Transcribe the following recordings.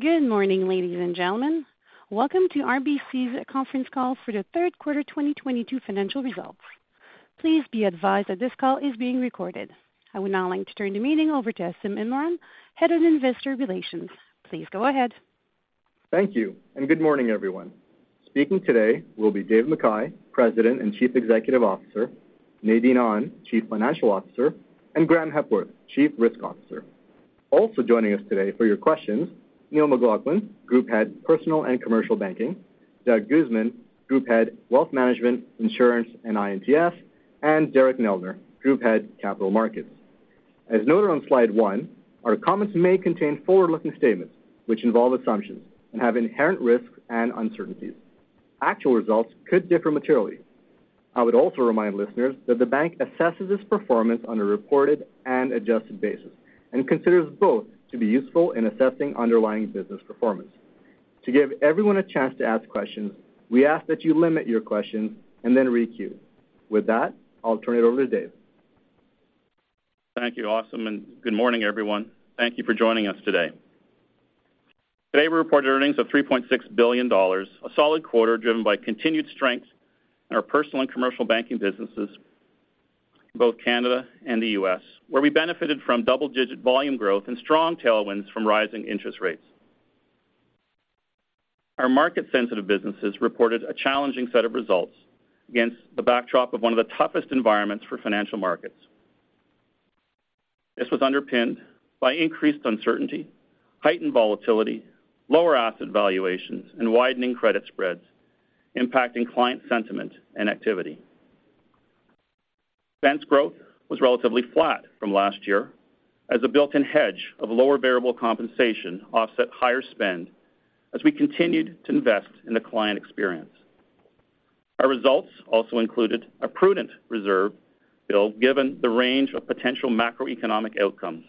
Good morning, ladies and gentlemen. Welcome to RBC's conference call for the third quarter 2022 financial results. Please be advised that this call is being recorded. I would now like to turn the meeting over to Asim Imran, Head of Investor Relations. Please go ahead. Thank you, and good morning, everyone. Speaking today will be Dave McKay, President and Chief Executive Officer, Nadine Ahn, Chief Financial Officer, and Graeme Hepworth, Chief Risk Officer. Also joining us today for your questions, Neil McLaughlin, Group Head, Personal and Commercial Banking, Doug Guzman, Group Head, Wealth Management, Insurance and I&TS, and Derek Neldner, Group Head, Capital Markets. As noted on slide one, our comments may contain forward-looking statements which involve assumptions and have inherent risks and uncertainties. Actual results could differ materially. I would also remind listeners that the bank assesses its performance on a reported and adjusted basis and considers both to be useful in assessing underlying business performance. To give everyone a chance to ask questions, we ask that you limit your questions and then re-queue. With that, I'll turn it over to Dave. Thank you, Asim, and good morning, everyone. Thank you for joining us today. Today, we reported earnings of $3.6 billion, a solid quarter driven by continued strength in our Personal and Commercial Banking businesses in both Canada and the U.S., where we benefited from double-digit volume growth and strong tailwinds from rising interest rates. Our market-sensitive businesses reported a challenging set of results against the backdrop of one of the toughest environments for financial markets. This was underpinned by increased uncertainty, heightened volatility, lower asset valuations, and widening credit spreads impacting client sentiment and activity. Expense growth was relatively flat from last year as a built-in hedge of lower variable compensation offset higher spend as we continued to invest in the client experience. Our results also included a prudent reserve build given the range of potential macroeconomic outcomes,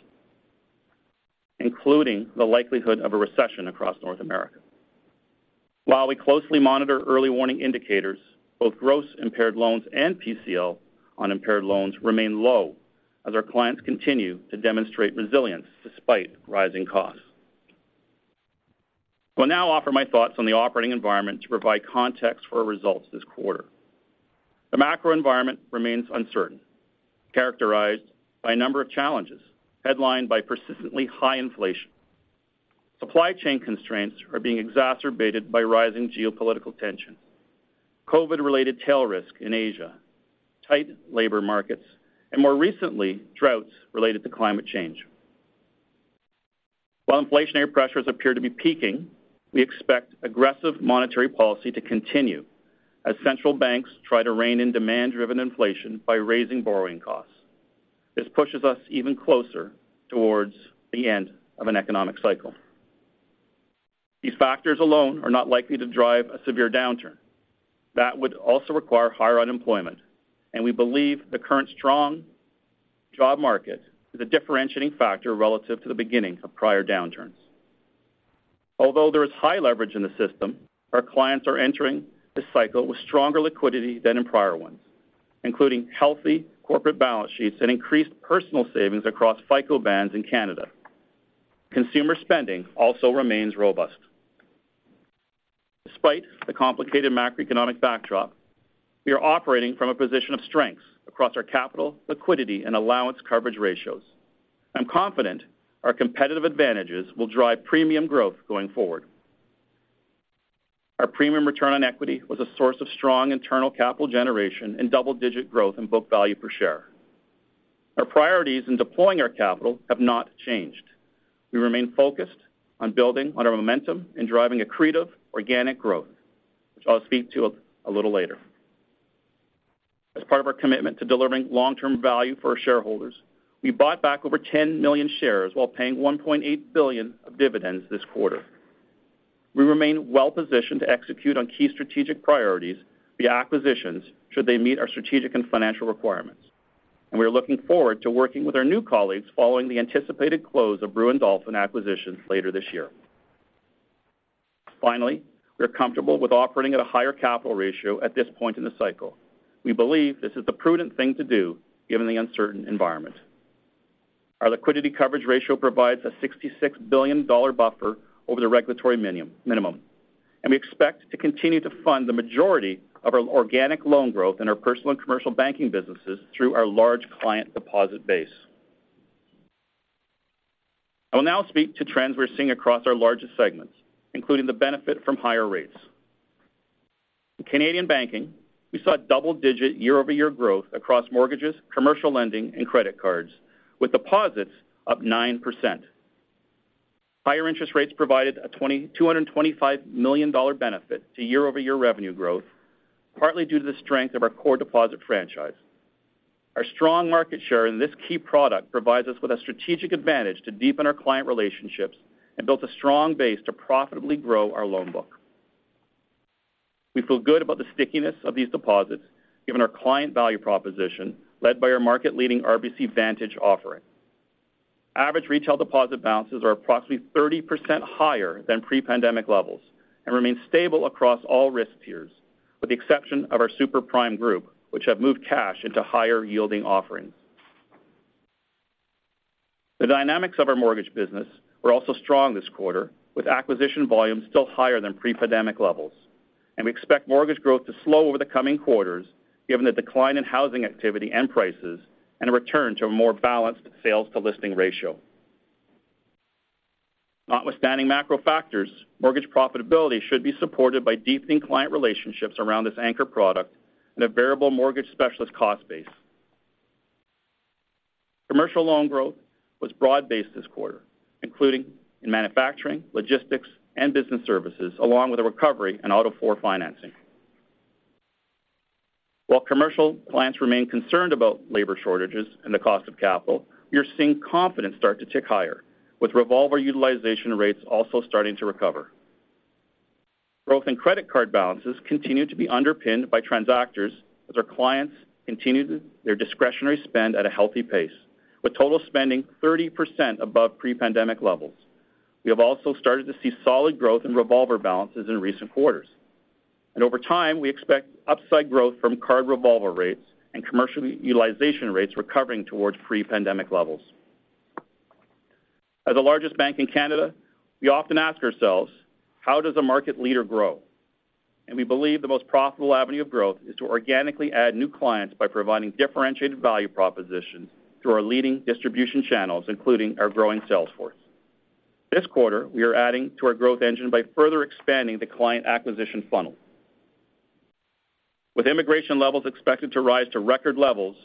including the likelihood of a recession across North America. While we closely monitor early warning indicators, both gross impaired loans and PCL on impaired loans remain low as our clients continue to demonstrate resilience despite rising costs. I will now offer my thoughts on the operating environment to provide context for our results this quarter. The macro environment remains uncertain, characterized by a number of challenges headlined by persistently high inflation. Supply chain constraints are being exacerbated by rising geopolitical tension, COVID-related tail risk in Asia, tight labor markets, and more recently, droughts related to climate change. While inflationary pressures appear to be peaking, we expect aggressive monetary policy to continue as central banks try to rein in demand-driven inflation by raising borrowing costs. This pushes us even closer towards the end of an economic cycle. These factors alone are not likely to drive a severe downturn. That would also require higher unemployment, and we believe the current strong job market is a differentiating factor relative to the beginning of prior downturns. Although there is high leverage in the system, our clients are entering this cycle with stronger liquidity than in prior ones, including healthy corporate balance sheets and increased personal savings across FICO bands in Canada. Consumer spending also remains robust. Despite the complicated macroeconomic backdrop, we are operating from a position of strength across our capital, liquidity, and allowance coverage ratios. I'm confident our competitive advantages will drive premium growth going forward. Our premium return on equity was a source of strong internal capital generation and double-digit growth in book value per share. Our priorities in deploying our capital have not changed. We remain focused on building on our momentum and driving accretive organic growth, which I'll speak to a little later. As part of our commitment to delivering long-term value for our shareholders, we bought back over 10 million shares while paying$1.8 billion of dividends this quarter. We remain well-positioned to execute on key strategic priorities via acquisitions should they meet our strategic and financial requirements, and we are looking forward to working with our new colleagues following the anticipated close of Brewin Dolphin acquisition later this year. Finally, we are comfortable with operating at a higher capital ratio at this point in the cycle. We believe this is the prudent thing to do given the uncertain environment. Our liquidity coverage ratio provides a $66 billion buffer over the regulatory minimum, and we expect to continue to fund the majority of our organic loan growth in our Personal & Commercial Banking businesses through our large client deposit base. I will now speak to trends we're seeing across our largest segments, including the benefit from higher rates. In Canadian Banking, we saw double-digit year-over-year growth across mortgages, commercial lending, and credit cards, with deposits up 9%. Higher interest rates provided a $225 million benefit to year-over-year revenue growth, partly due to the strength of our core deposit franchise. Our strong market share in this key product provides us with a strategic advantage to deepen our client relationships and build a strong base to profitably grow our loan book. We feel good about the stickiness of these deposits given our client value proposition led by our market-leading RBC Vantage offering. Average retail deposit balances are approximately 30% higher than pre-pandemic levels and remain stable across all risk tiers, with the exception of our super prime group, which have moved cash into higher-yielding offerings. The dynamics of our Mortgage business were also strong this quarter, with acquisition volumes still higher than pre-pandemic levels. We expect mortgage growth to slow over the coming quarters given the decline in housing activity and prices and a return to a more balanced sales to listing ratio. Notwithstanding macro factors, mortgage profitability should be supported by deepening client relationships around this anchor product and a variable mortgage specialist cost base. Commercial loan growth was broad-based this quarter, including in Manufacturing, Logistics, and business services, along with a recovery in auto floor financing. While commercial clients remain concerned about labor shortages and the cost of capital, we are seeing confidence start to tick higher, with revolver utilization rates also starting to recover. Growth in credit card balances continue to be underpinned by transactors as our clients continue their discretionary spend at a healthy pace, with total spending 30% above pre-pandemic levels. We have also started to see solid growth in revolver balances in recent quarters. Over time, we expect upside growth from card revolver rates and commercial utilization rates recovering towards pre-pandemic levels. As the largest bank in Canada, we often ask ourselves, how does a market leader grow? We believe the most profitable avenue of growth is to organically add new clients by providing differentiated value propositions through our leading distribution channels, including our growing sales force. This quarter, we are adding to our growth engine by further expanding the client acquisition funnel. With immigration levels expected to rise to record levels,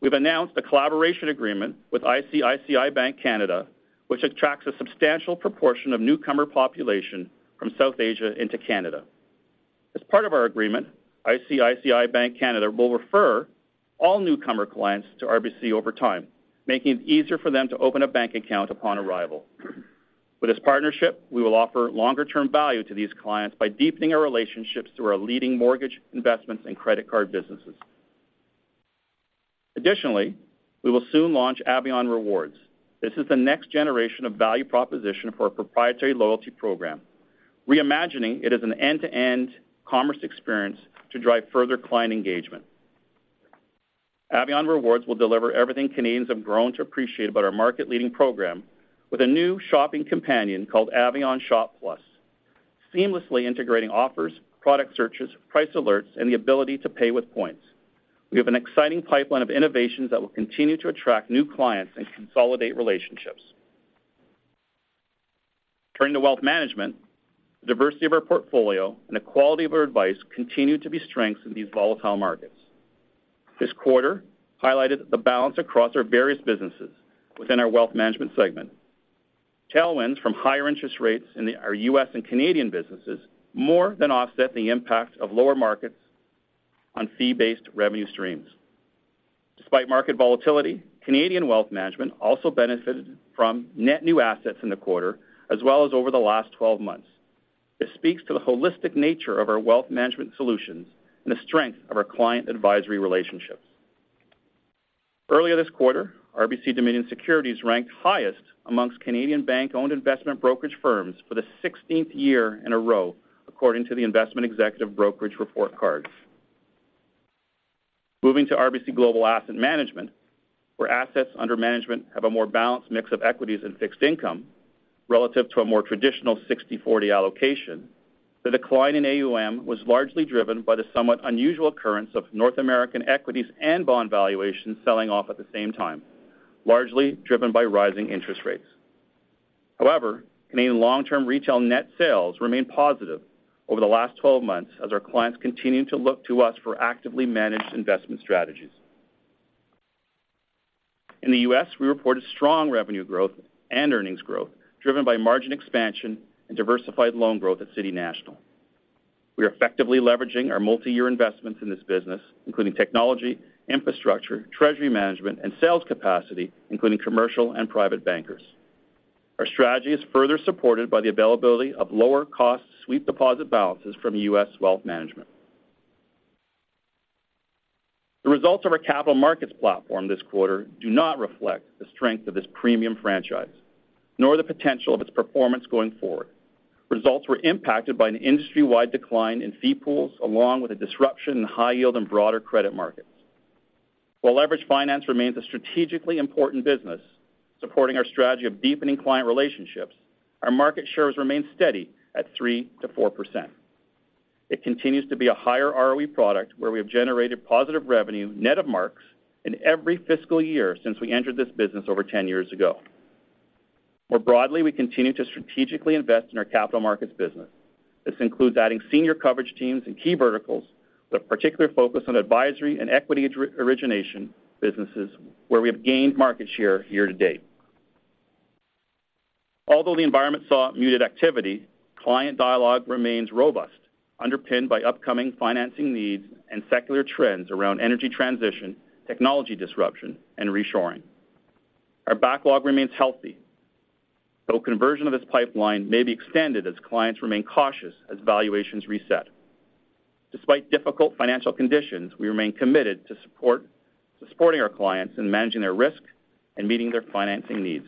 we've announced a collaboration agreement with ICICI Bank Canada, which attracts a substantial proportion of newcomer population from South Asia into Canada. As part of our agreement, ICICI Bank Canada will refer all newcomer clients to RBC over time, making it easier for them to open a bank account upon arrival. With this partnership, we will offer longer-term value to these clients by deepening our relationships through our leading Mortgage Investments and Credit Card businesses. Additionally, we will soon launch Avion Rewards. This is the next generation of value proposition for our proprietary loyalty program, reimagining it as an end-to-end commerce experience to drive further client engagement. Avion Rewards will deliver everything Canadians have grown to appreciate about our market-leading program with a new shopping companion called Avion ShopPlus, seamlessly integrating offers, product searches, price alerts, and the ability to pay with points. We have an exciting pipeline of innovations that will continue to attract new clients and consolidate relationships. Turning to Wealth Management, the diversity of our portfolio and the quality of our advice continue to be strengths in these volatile markets. This quarter highlighted the balance across our various businesses within our Wealth Management segment. Tailwinds from higher interest rates in our U.S. and Canadian businesses more than offset the impact of lower markets on fee-based revenue streams. Despite market volatility, Canadian Wealth Management also benefited from net new assets in the quarter as well as over the last 12 months. This speaks to the holistic nature of our Wealth Management solutions and the strength of our client advisory relationships. Earlier this quarter, RBC Dominion Securities ranked highest amongst Canadian bank-owned investment brokerage firms for the 16th year in a row, according to the Investment Executive Brokerage Report Card. Moving to RBC Global Asset Management, where assets under management have a more balanced mix of equities and fixed income relative to a more traditional 60/40 allocation, the decline in AUM was largely driven by the somewhat unusual occurrence of North American equities and bond valuations selling off at the same time, largely driven by rising interest rates. However, Canadian long-term retail net sales remain positive over the last 12 months as our clients continue to look to us for actively managed investment strategies. In the U.S., we reported strong revenue growth and earnings growth driven by margin expansion and diversified loan growth at City National. We are effectively leveraging our multiyear investments in this business, including technology, infrastructure, treasury management, and sales capacity, including commercial and private bankers. Our strategy is further supported by the availability of lower cost sweep deposit balances from U.S. Wealth Management. The results of our Capital Markets platform this quarter do not reflect the strength of this premium franchise, nor the potential of its performance going forward. Results were impacted by an industry-wide decline in fee pools, along with a disruption in high yield and broader credit markets. While leveraged finance remains a strategically important business, supporting our strategy of deepening client relationships, our market shares remain steady at 3%-4%. It continues to be a higher ROE product where we have generated positive revenue net of marks in every fiscal year since we entered this business over 10 years ago. More broadly, we continue to strategically invest in our Capital Markets business. This includes adding senior coverage teams in key verticals with a particular focus on advisory and equity origination businesses where we have gained market share year to date. Although the environment saw muted activity, client dialogue remains robust, underpinned by upcoming financing needs and secular trends around energy transition, technology disruption, and reshoring. Our backlog remains healthy, though conversion of this pipeline may be extended as clients remain cautious as valuations reset. Despite difficult financial conditions, we remain committed to supporting our clients in managing their risk and meeting their financing needs.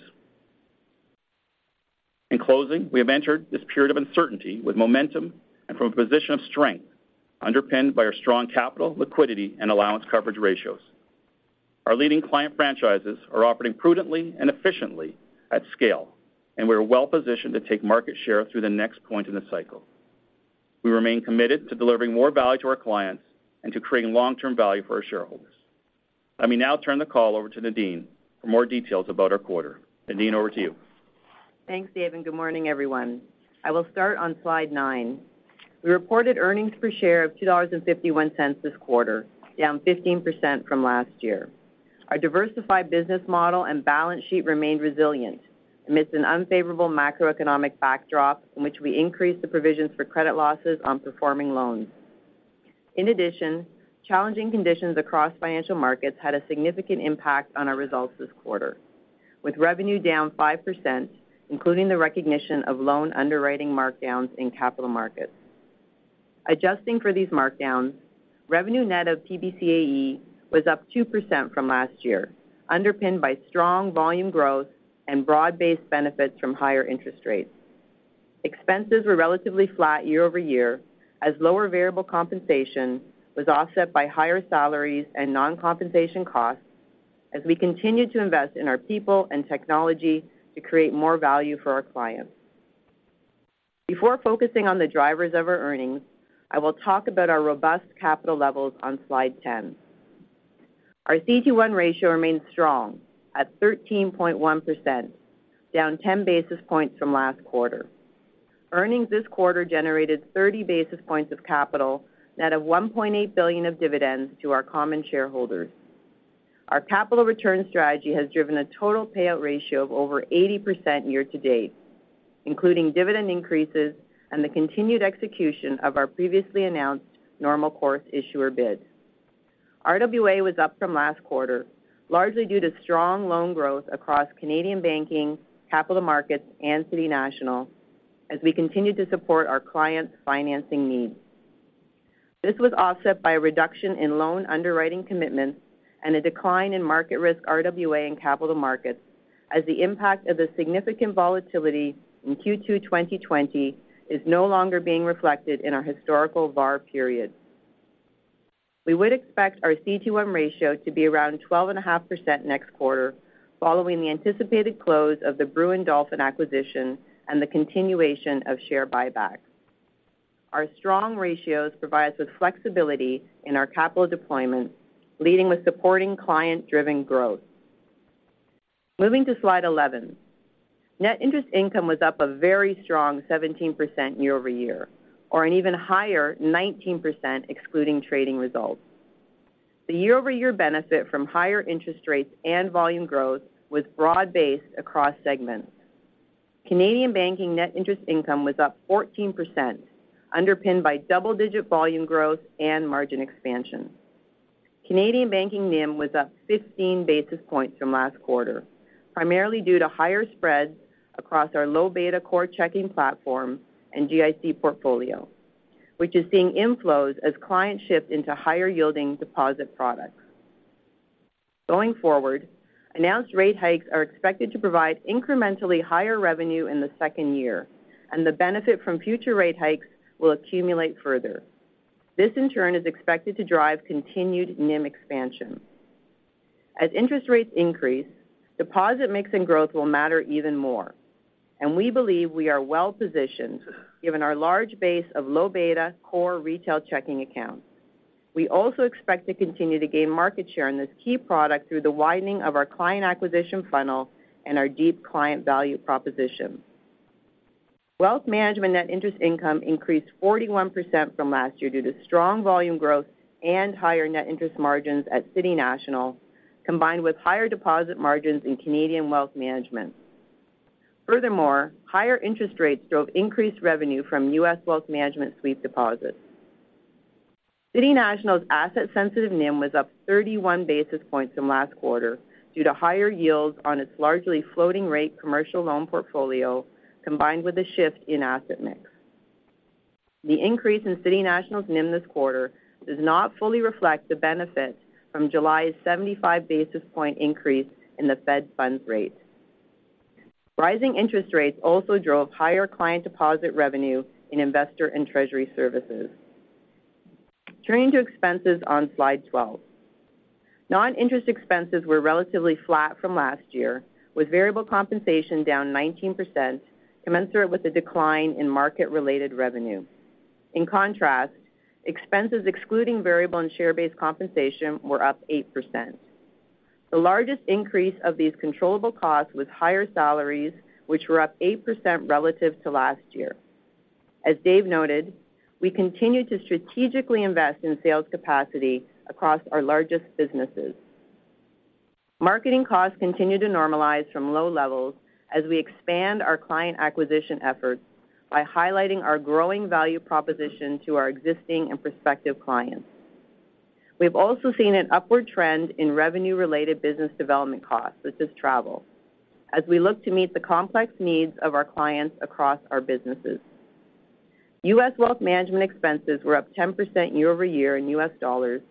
In closing, we have entered this period of uncertainty with momentum and from a position of strength, underpinned by our strong capital, liquidity, and allowance coverage ratios. Our leading client franchises are operating prudently and efficiently at scale, and we are well-positioned to take market share through the next point in the cycle. We remain committed to delivering more value to our clients and to creating long-term value for our shareholders. Let me now turn the call over to Nadine for more details about our quarter. Nadine, over to you. Thanks, Dave, and good morning, everyone. I will start on slide nine. We reported earnings per share of $2.51 this quarter, down 15% from last year. Our diversified business model and balance sheet remained resilient amidst an unfavorable macroeconomic backdrop in which we increased the provisions for credit losses on performing loans. In addition, challenging conditions across financial markets had a significant impact on our results this quarter, with revenue down 5%, including the recognition of loan underwriting markdowns in Capital Markets. Adjusting for these markdowns, revenue net of PBCAE was up 2% from last year, underpinned by strong volume growth and broad-based benefits from higher interest rates. Expenses were relatively flat year-over-year as lower variable compensation was offset by higher salaries and non-compensation costs as we continued to invest in our people and technology to create more value for our clients. Before focusing on the drivers of our earnings, I will talk about our robust capital levels on slide 10. Our CET1 ratio remains strong at 13.1%, down 10 basis points from last quarter. Earnings this quarter generated 30 basis points of capital, net of $1.8 billion of dividends to our common shareholders. Our capital return strategy has driven a total payout ratio of over 80% year to date, including dividend increases and the continued execution of our previously announced normal course issuer bids. RWA was up from last quarter, largely due to strong loan growth across Canadian Banking, Capital Markets, and City National as we continued to support our clients' financing needs. This was offset by a reduction in loan underwriting commitments and a decline in market risk RWA and Capital Markets as the impact of the significant volatility in Q2 2020 is no longer being reflected in our historical VAR period. We would expect our CET1 ratio to be around 12.5% next quarter following the anticipated close of the Brewin Dolphin acquisition and the continuation of share buybacks. Our strong ratios provide us with flexibility in our capital deployment, leading with supporting client-driven growth. Moving to slide 11. Net interest income was up a very strong 17% year-over-year, or an even higher 19% excluding trading results. The year-over-year benefit from higher interest rates and volume growth was broad-based across segments. Canadian Banking net interest income was up 14%, underpinned by double-digit volume growth and margin expansion. Canadian Banking NIM was up 15 basis points from last quarter, primarily due to higher spreads across our low beta core checking platform and GIC portfolio, which is seeing inflows as clients shift into higher-yielding deposit products. Going forward, announced rate hikes are expected to provide incrementally higher revenue in the second year, and the benefit from future rate hikes will accumulate further. This, in turn, is expected to drive continued NIM expansion. As interest rates increase, deposit mix and growth will matter even more, and we believe we are well-positioned given our large base of low beta core retail checking accounts. We also expect to continue to gain market share in this key product through the widening of our client acquisition funnel and our deep client value proposition. Wealth Management net interest income increased 41% from last year due to strong volume growth and higher net interest margins at City National, combined with higher deposit margins in Canadian Wealth Management. Furthermore, higher interest rates drove increased revenue from U.S. Wealth Management sweep deposits. City National's asset-sensitive NIM was up 31 basis points from last quarter due to higher yields on its largely floating-rate commercial loan portfolio, combined with a shift in asset mix. The increase in City National's NIM this quarter does not fully reflect the benefit from July's 75 basis points increase in the Fed funds rate. Rising interest rates also drove higher client deposit revenue in investor and treasury services. Turning to expenses on slide 12. Non-interest expenses were relatively flat from last year, with variable compensation down 19%, commensurate with the decline in market-related revenue. In contrast, expenses excluding variable and share-based compensation were up 8%. The largest increase of these controllable costs was higher salaries, which were up 8% relative to last year. As Dave noted, we continue to strategically invest in sales capacity across our largest businesses. Marketing costs continue to normalize from low levels as we expand our client acquisition efforts by highlighting our growing value proposition to our existing and prospective clients. We've also seen an upward trend in revenue-related business development costs, such as travel, as we look to meet the complex needs of our clients across our businesses. U.S. Wealth Management expenses were up 10% year-over-year in U.S. dollars,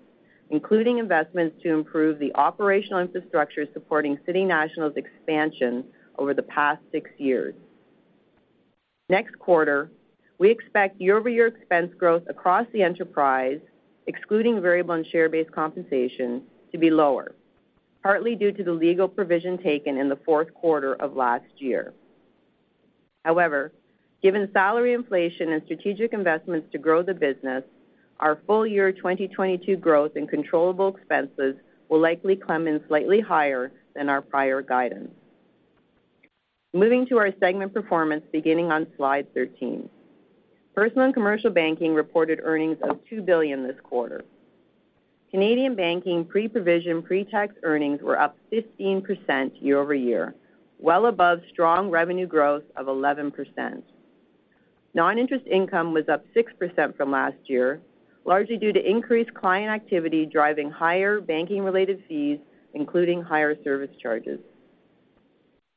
including investments to improve the operational infrastructure supporting City National Bank's expansion over the past six years. Next quarter, we expect year-over-year expense growth across the enterprise, excluding variable and share-based compensation, to be lower, partly due to the legal provision taken in the fourth quarter of last year. However, given salary inflation and strategic investments to grow the business, our full-year 2022 growth in controllable expenses will likely come in slightly higher than our prior guidance. Moving to our segment performance beginning on slide 13. Personal & Commercial Banking reported earnings of $2 billion this quarter. Canadian Banking pre-provision, pre-tax earnings were up 15% year-over-year, well above strong revenue growth of 11%. Non-interest income was up 6% from last year, largely due to increased client activity driving higher banking related fees, including higher service charges.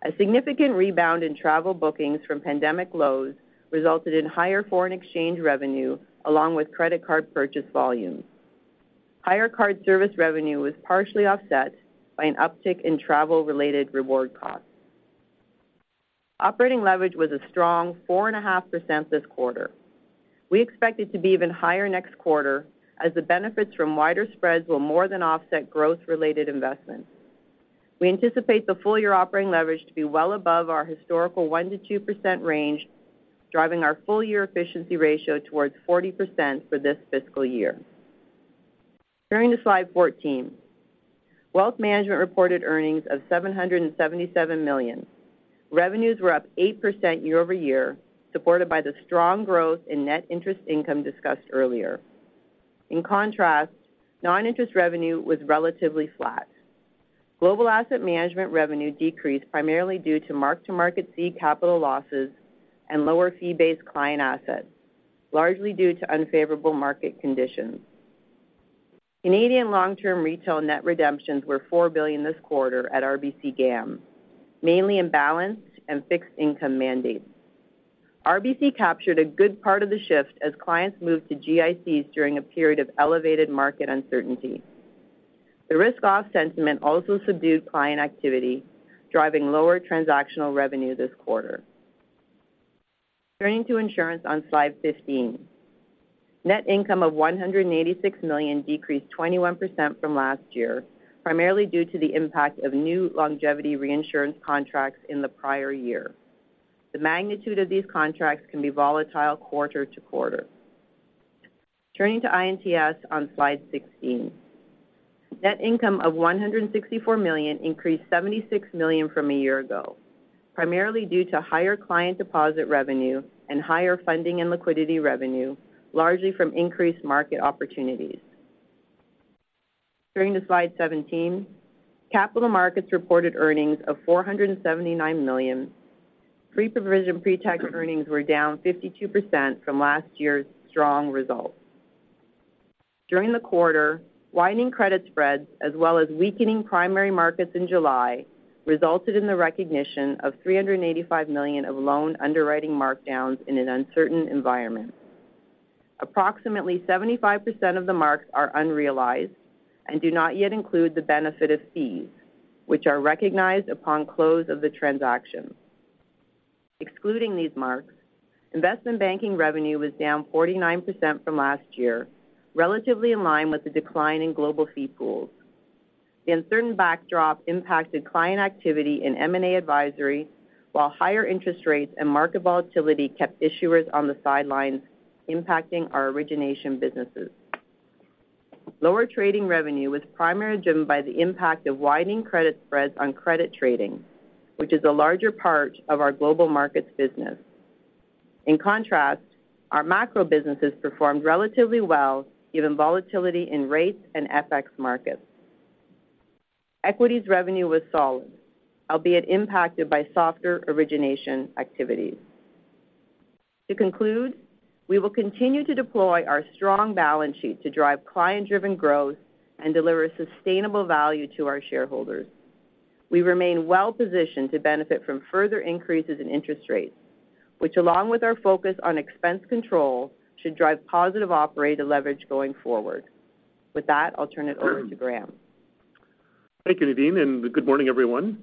A significant rebound in travel bookings from pandemic lows resulted in higher foreign exchange revenue along with credit card purchase volumes. Higher card service revenue was partially offset by an uptick in travel related reward costs. Operating leverage was a strong 4.5% this quarter. We expect it to be even higher next quarter as the benefits from wider spreads will more than offset growth related investments. We anticipate the full year operating leverage to be well above our historical 1%-2% range, driving our full year efficiency ratio towards 40% for this fiscal year. Turning to slide 14. Wealth Management reported earnings of $777 million. Revenues were up 8% year-over-year, supported by the strong growth in net interest income discussed earlier. In contrast, non-interest revenue was relatively flat. Global asset management revenue decreased primarily due to mark-to-market seed capital losses and lower fee-based client assets, largely due to unfavorable market conditions. Canadian long-term retail net redemptions were 4 billion this quarter at RBC GAM, mainly in balanced and fixed income mandates. RBC captured a good part of the shift as clients moved to GICs during a period of elevated market uncertainty. The risk off sentiment also subdued client activity, driving lower transactional revenue this quarter. Turning to insurance on slide 15. Net income of $186 million decreased 21% from last year, primarily due to the impact of new longevity reinsurance contracts in the prior year. The magnitude of these contracts can be volatile quarter-to-quarter. Turning to I&TS on slide 16. Net income of $164 million increased $76 million from a year ago, primarily due to higher client deposit revenue and higher funding and liquidity revenue, largely from increased market opportunities. Turning to slide 17, Capital Markets reported earnings of $479 million. Pre-provision, pre-tax earnings were down 52% from last year's strong results. During the quarter, widening credit spreads as well as weakening primary markets in July resulted in the recognition of $385 million of loan underwriting markdowns in an uncertain environment. Approximately 75% of the marks are unrealized and do not yet include the benefit of fees, which are recognized upon close of the transaction. Excluding these marks, investment banking revenue was down 49% from last year, relatively in line with the decline in global fee pools. The uncertain backdrop impacted client activity in M&A advisory, while higher interest rates and market volatility kept issuers on the sidelines, impacting our origination businesses. Lower trading revenue was primarily driven by the impact of widening credit spreads on credit trading, which is a larger part of our Global Markets business. In contrast, our macro businesses performed relatively well given volatility in rates and FX markets. Equities revenue was solid, albeit impacted by softer origination activities. To conclude, we will continue to deploy our strong balance sheet to drive client-driven growth and deliver sustainable value to our shareholders. We remain well positioned to benefit from further increases in interest rates, which, along with our focus on expense control, should drive positive operating leverage going forward. With that, I'll turn it over to Graeme. Thank you, Nadine, and good morning, everyone.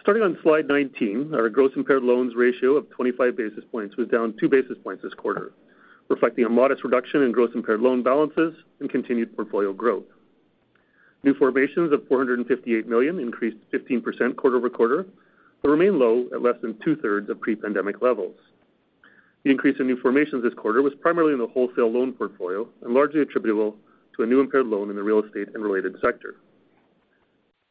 Starting on slide 19, our gross impaired loans ratio of 25 basis points was down 2 basis points this quarter, reflecting a modest reduction in gross impaired loan balances and continued portfolio growth. New formations of $458 million increased 15% quarter-over-quarter, but remain low at less than two-thirds of pre-pandemic levels. The increase in new formations this quarter was primarily in the wholesale loan portfolio and largely attributable to a new impaired loan in the real estate and related sector.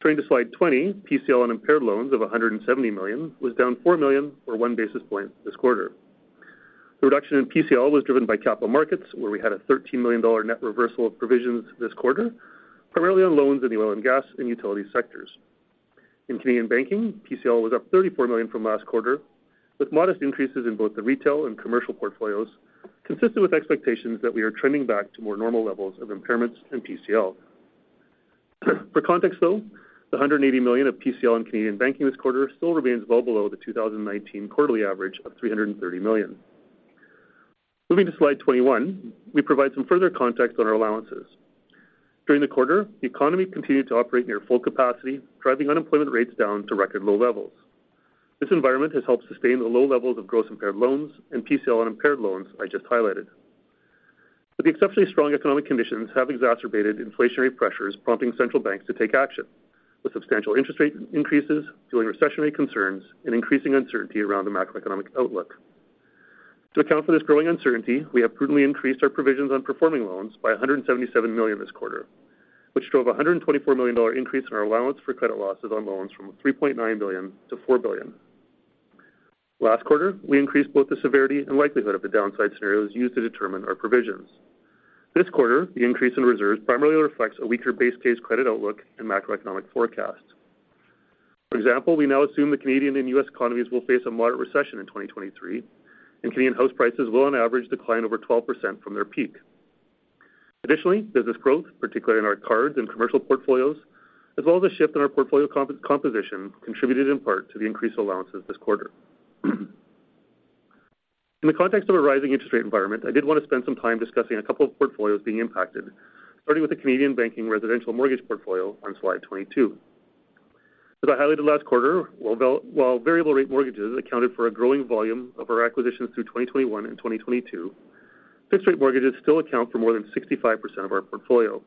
Turning to slide 20, PCL and impaired loans of$ 70 million was down $4 million or 1 basis point this quarter. The reduction in PCL was driven by Capital Markets, where we had a $13 million net reversal of provisions this quarter, primarily on loans in the oil and gas and utility sectors. In Canadian Banking, PCL was up CAD 34 million from last quarter, with modest increases in both the retail and commercial portfolios, consistent with expectations that we are trending back to more normal levels of impairments in PCL. For context though, the 180 million of PCL in Canadian Banking this quarter still remains well below the 2019 quarterly average of $330 million. Moving to slide 21, we provide some further context on our allowances. During the quarter, the economy continued to operate near full capacity, driving unemployment rates down to record low levels. This environment has helped sustain the low levels of gross impaired loans and PCL on impaired loans I just highlighted. The exceptionally strong economic conditions have exacerbated inflationary pressures, prompting central banks to take action, with substantial interest rate increases fueling recessionary concerns and increasing uncertainty around the macroeconomic outlook. To account for this growing uncertainty, we have prudently increased our provisions on performing loans by $177 million this quarter, which drove a $124 million increase in our allowance for credit losses on loans from $3.9 billion to $4 billion. Last quarter, we increased both the severity and likelihood of the downside scenarios used to determine our provisions. This quarter, the increase in reserves primarily reflects a weaker base case credit outlook and macroeconomic forecast. For example, we now assume the Canadian and U.S. economies will face a moderate recession in 2023, and Canadian house prices will on average decline over 12% from their peak. Additionally, business growth, particularly in our cards and commercial portfolios, as well as a shift in our portfolio composition, contributed in part to the increased allowances this quarter. In the context of a rising interest rate environment, I did want to spend some time discussing a couple of portfolios being impacted, starting with the Canadian Banking residential mortgage portfolio on slide 22. As I highlighted last quarter, while variable rate mortgages accounted for a growing volume of our acquisitions through 2021 and 2022, fixed rate mortgages still account for more than 65% of our portfolio.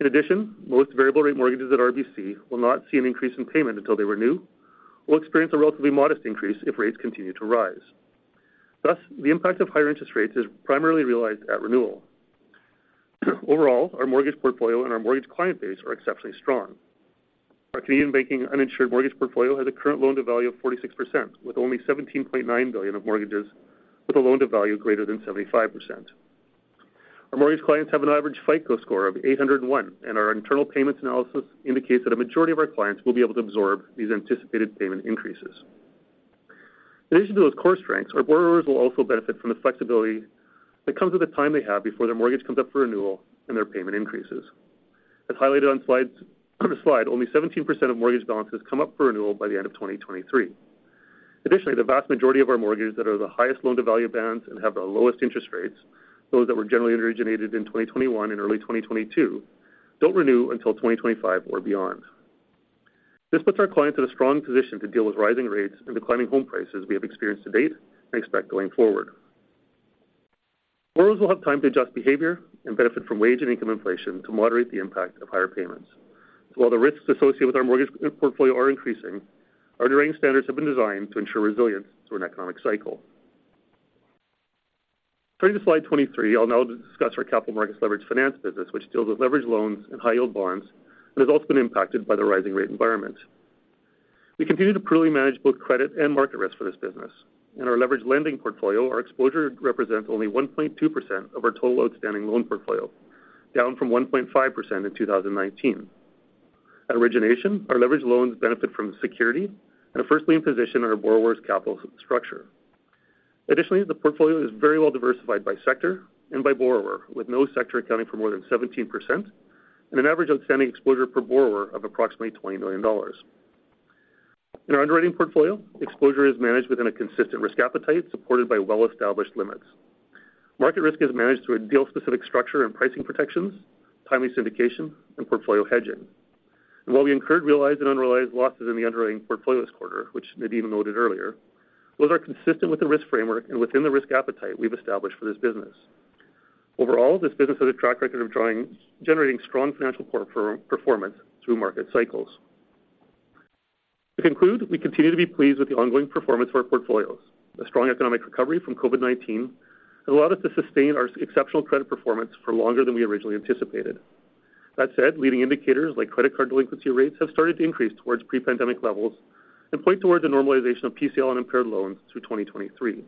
In addition, most variable rate mortgages at RBC will not see an increase in payment until they renew, or experience a relatively modest increase if rates continue to rise. Thus, the impact of higher interest rates is primarily realized at renewal. Overall, our mortgage portfolio and our mortgage client base are exceptionally strong. Our Canadian Banking uninsured mortgage portfolio has a current loan to value of 46%, with only $17.9 billion of mortgages with a loan to value greater than 75%. Our mortgage clients have an average FICO score of 801, and our internal payments analysis indicates that a majority of our clients will be able to absorb these anticipated payment increases. In addition to those core strengths, our borrowers will also benefit from the flexibility that comes with the time they have before their mortgage comes up for renewal and their payment increases. As highlighted on slides, only 17% of mortgage balances come up for renewal by the end of 2023. Additionally, the vast majority of our mortgages that are the highest loan to value bands and have the lowest interest rates, those that were generally originated in 2021 and early 2022, don't renew until 2025 or beyond. This puts our clients in a strong position to deal with rising rates and declining home prices we have experienced to date and expect going forward. Borrowers will have time to adjust behavior and benefit from wage and income inflation to moderate the impact of higher payments. While the risks associated with our mortgage portfolio are increasing, our underwriting standards have been designed to ensure resilience through an economic cycle. Turning to slide 23, I'll now discuss our Capital Markets leverage finance business, which deals with leverage loans and high yield bonds and has also been impacted by the rising rate environment. We continue to prudently manage both credit and market risk for this business. In our leverage lending portfolio, our exposure represents only 1.2% of our total outstanding loan portfolio, down from 1.5% in 2019. At origination, our leverage loans benefit from the security and a first lien position on our borrower's capital structure. Additionally, the portfolio is very well diversified by sector and by borrower, with no sector accounting for more than 17% and an average outstanding exposure per borrower of approximately $20 million. In our underwriting portfolio, exposure is managed within a consistent risk appetite supported by well-established limits. Market risk is managed through a deal specific structure and pricing protections, timely syndication, and portfolio hedging. While we incurred realized and unrealized losses in the underwriting portfolio this quarter, which Nadine noted earlier, those are consistent with the risk framework and within the risk appetite we've established for this business. Overall, this business has a track record of generating strong financial performance through market cycles. To conclude, we continue to be pleased with the ongoing performance of our portfolios. A strong economic recovery from COVID-19 has allowed us to sustain our exceptional credit performance for longer than we originally anticipated. That said, leading indicators like credit card delinquency rates have started to increase towards pre-pandemic levels and point towards a normalization of PCL and impaired loans through 2023.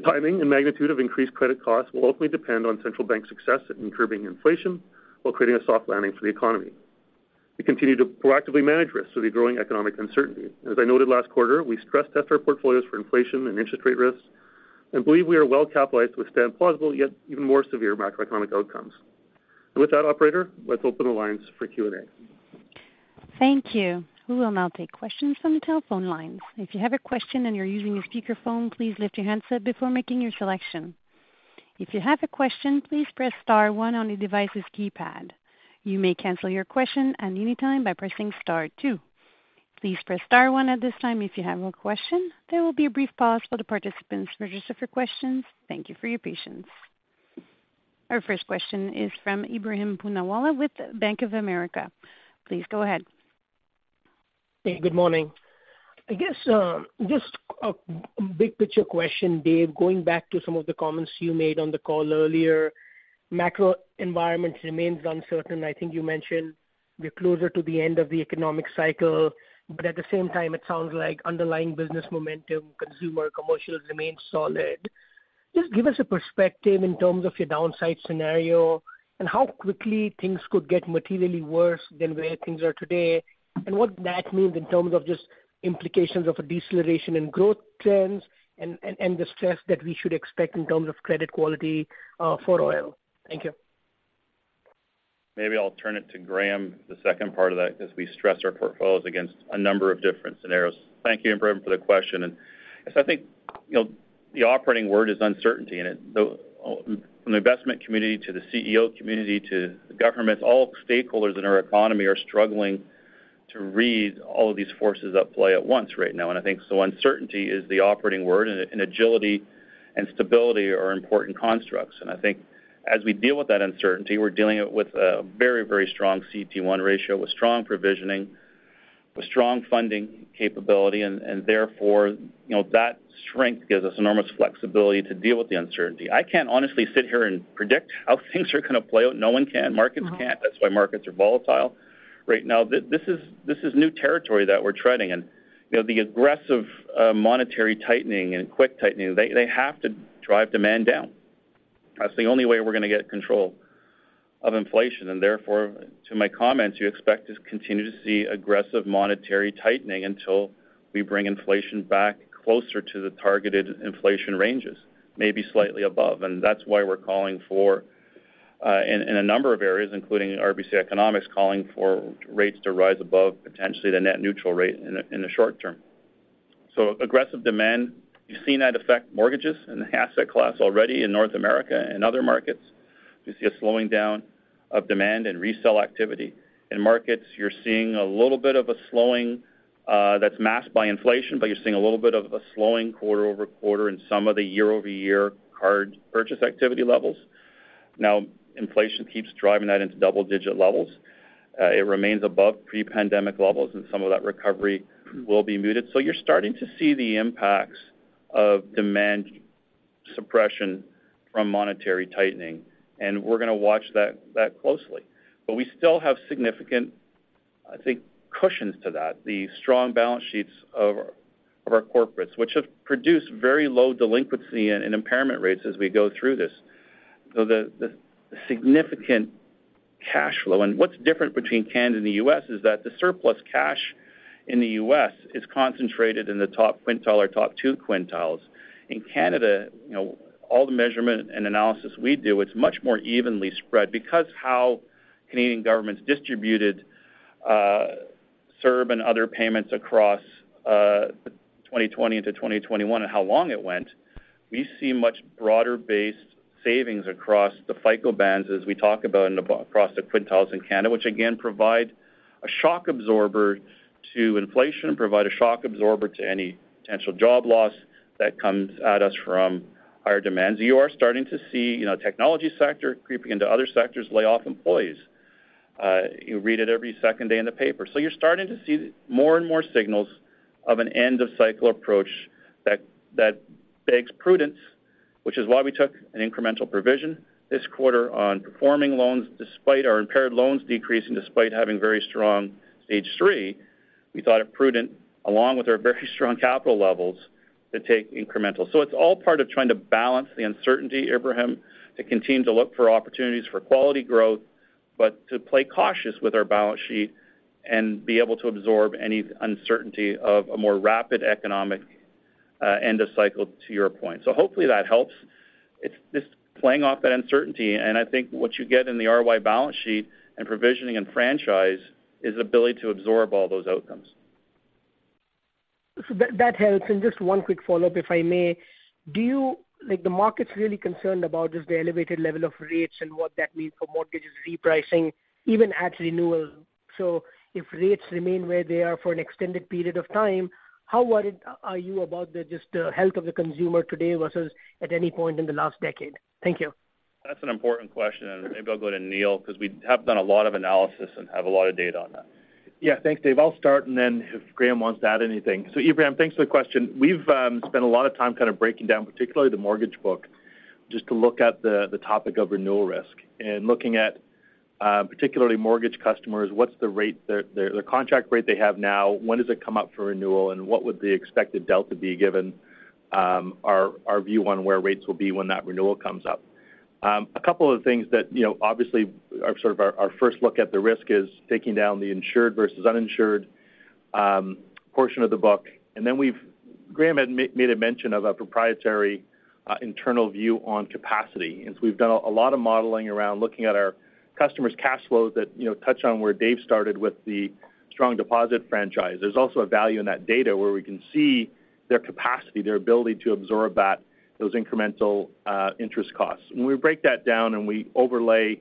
The timing and magnitude of increased credit costs will ultimately depend on central bank success at curbing inflation while creating a soft landing for the economy. We continue to proactively manage risks with the growing economic uncertainty. As I noted last quarter, we stress test our portfolios for inflation and interest rate risks and believe we are well capitalized to withstand plausible yet even more severe macroeconomic outcomes. With that, operator, let's open the lines for Q&A. Thank you. We will now take questions from the telephone lines. If you have a question and you're using a speakerphone, please lift your handset before making your selection. If you have a question, please press star one on the device's keypad. You may cancel your question at any time by pressing star two. Please press star one at this time if you have a question. There will be a brief pause while the participants register for questions. Thank you for your patience. Our first question is from Ebrahim Poonawala with Bank of America. Please go ahead. Hey, good morning. I guess, just a big picture question, Dave. Going back to some of the comments you made on the call earlier, macro environment remains uncertain. I think you mentioned we're closer to the end of the economic cycle, but at the same time, it sounds like underlying business momentum, consumer, commercial remains solid. Just give us a perspective in terms of your downside scenario and how quickly things could get materially worse than where things are today and what that means in terms of just implications of a deceleration in growth trends and the stress that we should expect in terms of credit quality, for oil. Thank you. Maybe I'll turn it to Graeme, the second part of that, as we stress our portfolios against a number of different scenarios. Thank you, Ebrahim, for the question. I think, you know, the operating word is uncertainty. From the investment community to the CEO community to the governments, all stakeholders in our economy are struggling to read all of these forces at play at once right now. Uncertainty is the operating word, and agility and stability are important constructs. I think as we deal with that uncertainty, we're dealing it with a very, very strong CET1 ratio, with strong provisioning, with strong funding capability, and therefore, you know, that strength gives us enormous flexibility to deal with the uncertainty. I can't honestly sit here and predict how things are gonna play out. No one can. Markets can't. That's why markets are volatile right now. This is new territory that we're treading. The aggressive monetary tightening and quick tightening, they have to drive demand down. That's the only way we're gonna get control of inflation. Therefore, to my comments, you expect to continue to see aggressive monetary tightening until we bring inflation back closer to the targeted inflation ranges, maybe slightly above. That's why we're calling for, in a number of areas, including RBC Economics, calling for rates to rise above potentially the net neutral rate in the short term. Aggressive demand, you've seen that affect mortgages and asset class already in North America and other markets. You see a slowing down of demand and resell activity. In markets, you're seeing a little bit of a slowing, that's masked by inflation, but you're seeing a little bit of a slowing quarter-over-quarter in some of the year-over-year card purchase activity levels. Now, inflation keeps driving that into double-digit levels. It remains above pre-pandemic levels, and some of that recovery will be muted. You're starting to see the impacts of demand suppression from monetary tightening, and we're gonna watch that closely. We still have significant, I think, cushions to that, the strong balance sheets of our corporates, which have produced very low delinquency and impairment rates as we go through this. The significant cash flow. What's different between Canada and the U.S. is that the surplus cash in the U.S. is concentrated in the top quintile or top two quintiles. In Canada, you know, all the measurement and analysis we do, it's much more evenly spread. Because how the Canadian government has distributed CERB and other payments across 2020 into 2021 and how long it went, we see much broader-based savings across the FICO bands as we talk about across the quintiles in Canada, which again, provide a shock absorber to inflation, provide a shock absorber to any potential job loss that comes at us from higher demands. You are starting to see, you know, technology sector creeping into other sectors lay off employees. You read it every second day in the paper. You're starting to see more and more signals of an end-of-cycle approach that begs prudence, which is why we took an incremental provision this quarter on performing loans, despite our impaired loans decreasing, despite having very strong Stage 3. We thought it prudent, along with our very strong capital levels, to take incremental. It's all part of trying to balance the uncertainty, Ebrahim, to continue to look for opportunities for quality growth, but to play cautious with our balance sheet and be able to absorb any uncertainty of a more rapid economic end of cycle, to your point. Hopefully that helps. It's just playing off that uncertainty. I think what you get in the RY balance sheet and provisioning and franchise is the ability to absorb all those outcomes. That helps. Just one quick follow-up, if I may. Like, the market's really concerned about just the elevated level of rates and what that means for mortgages repricing, even at renewal. If rates remain where they are for an extended period of time, how worried are you about the, just the health of the consumer today versus at any point in the last decade? Thank you. That's an important question, and maybe I'll go to Neil because we have done a lot of analysis and have a lot of data on that. Yeah. Thanks, Dave. I'll start, and then if Graeme wants to add anything. Ebrahim, thanks for the question. We've spent a lot of time kind of breaking down, particularly the mortgage book, just to look at the topic of renewal risk and looking at particularly mortgage customers, what's the rate the contract rate they have now, when does it come up for renewal, and what would the expected delta be given our view on where rates will be when that renewal comes up? A couple of things that, you know, obviously are sort of our first look at the risk is taking down the insured versus uninsured portion of the book. Graeme had made a mention of our proprietary internal view on capacity. We've done a lot of modeling around looking at our customers' cash flows that, you know, touch on where Dave started with the strong deposit franchise. There's also a value in that data where we can see their capacity, their ability to absorb that, those incremental interest costs. When we break that down and we overlay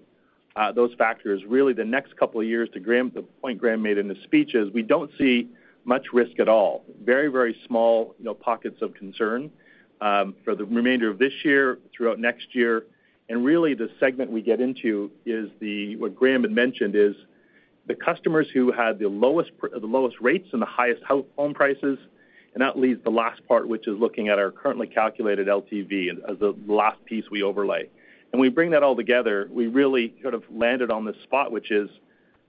those factors, really the next couple of years, to Graeme, the point Graeme made in the speech is, we don't see much risk at all. Very, very small, you know, pockets of concern for the remainder of this year, throughout next year. Really, the segment we get into is what Graeme had mentioned is the customers who had the lowest rates and the highest home prices, and that leaves the last part, which is looking at our currently calculated LTV as the last piece we overlay. When we bring that all together, we really sort of landed on this spot, which is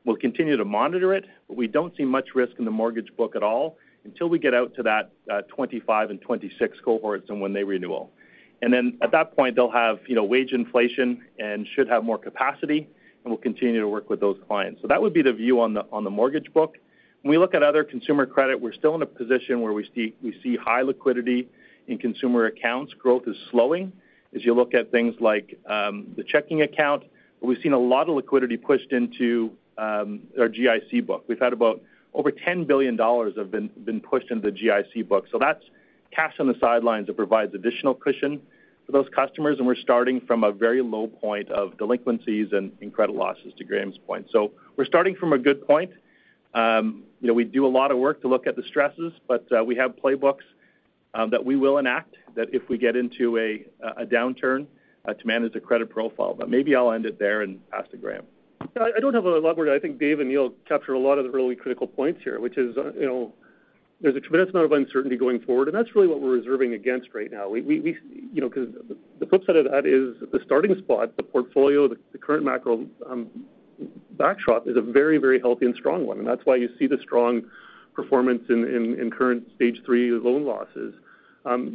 we'll continue to monitor it, but we don't see much risk in the mortgage book at all until we get out to that 2025 and 2026 cohorts and when they renewals. And then at that point, they'll have, you know, wage inflation and should have more capacity, and we'll continue to work with those clients. That would be the view on the mortgage book. When we look at other consumer credit, we're still in a position where we see high liquidity in consumer accounts. Growth is slowing. As you look at things like the checking account, we've seen a lot of liquidity pushed into our GIC book. We've had about over $10 billion have been pushed into the GIC book. That's cash on the sidelines that provides additional cushion for those customers, and we're starting from a very low point of delinquencies and credit losses, to Graeme's point. We're starting from a good point. You know, we do a lot of work to look at the stresses, but we have playbooks that we will enact that if we get into a downturn to manage the credit profile. Maybe I'll end it there and pass to Graeme. Yeah, I don't have a lot more. I think Dave and Neil captured a lot of the really critical points here, which is, you know, there's a tremendous amount of uncertainty going forward, and that's really what we're reserving against right now. We, you know, 'cause the flip side of that is the starting spot, the portfolio, the current macro backdrop is a very, very healthy and strong one, and that's why you see the strong performance in current Stage 3 loan losses.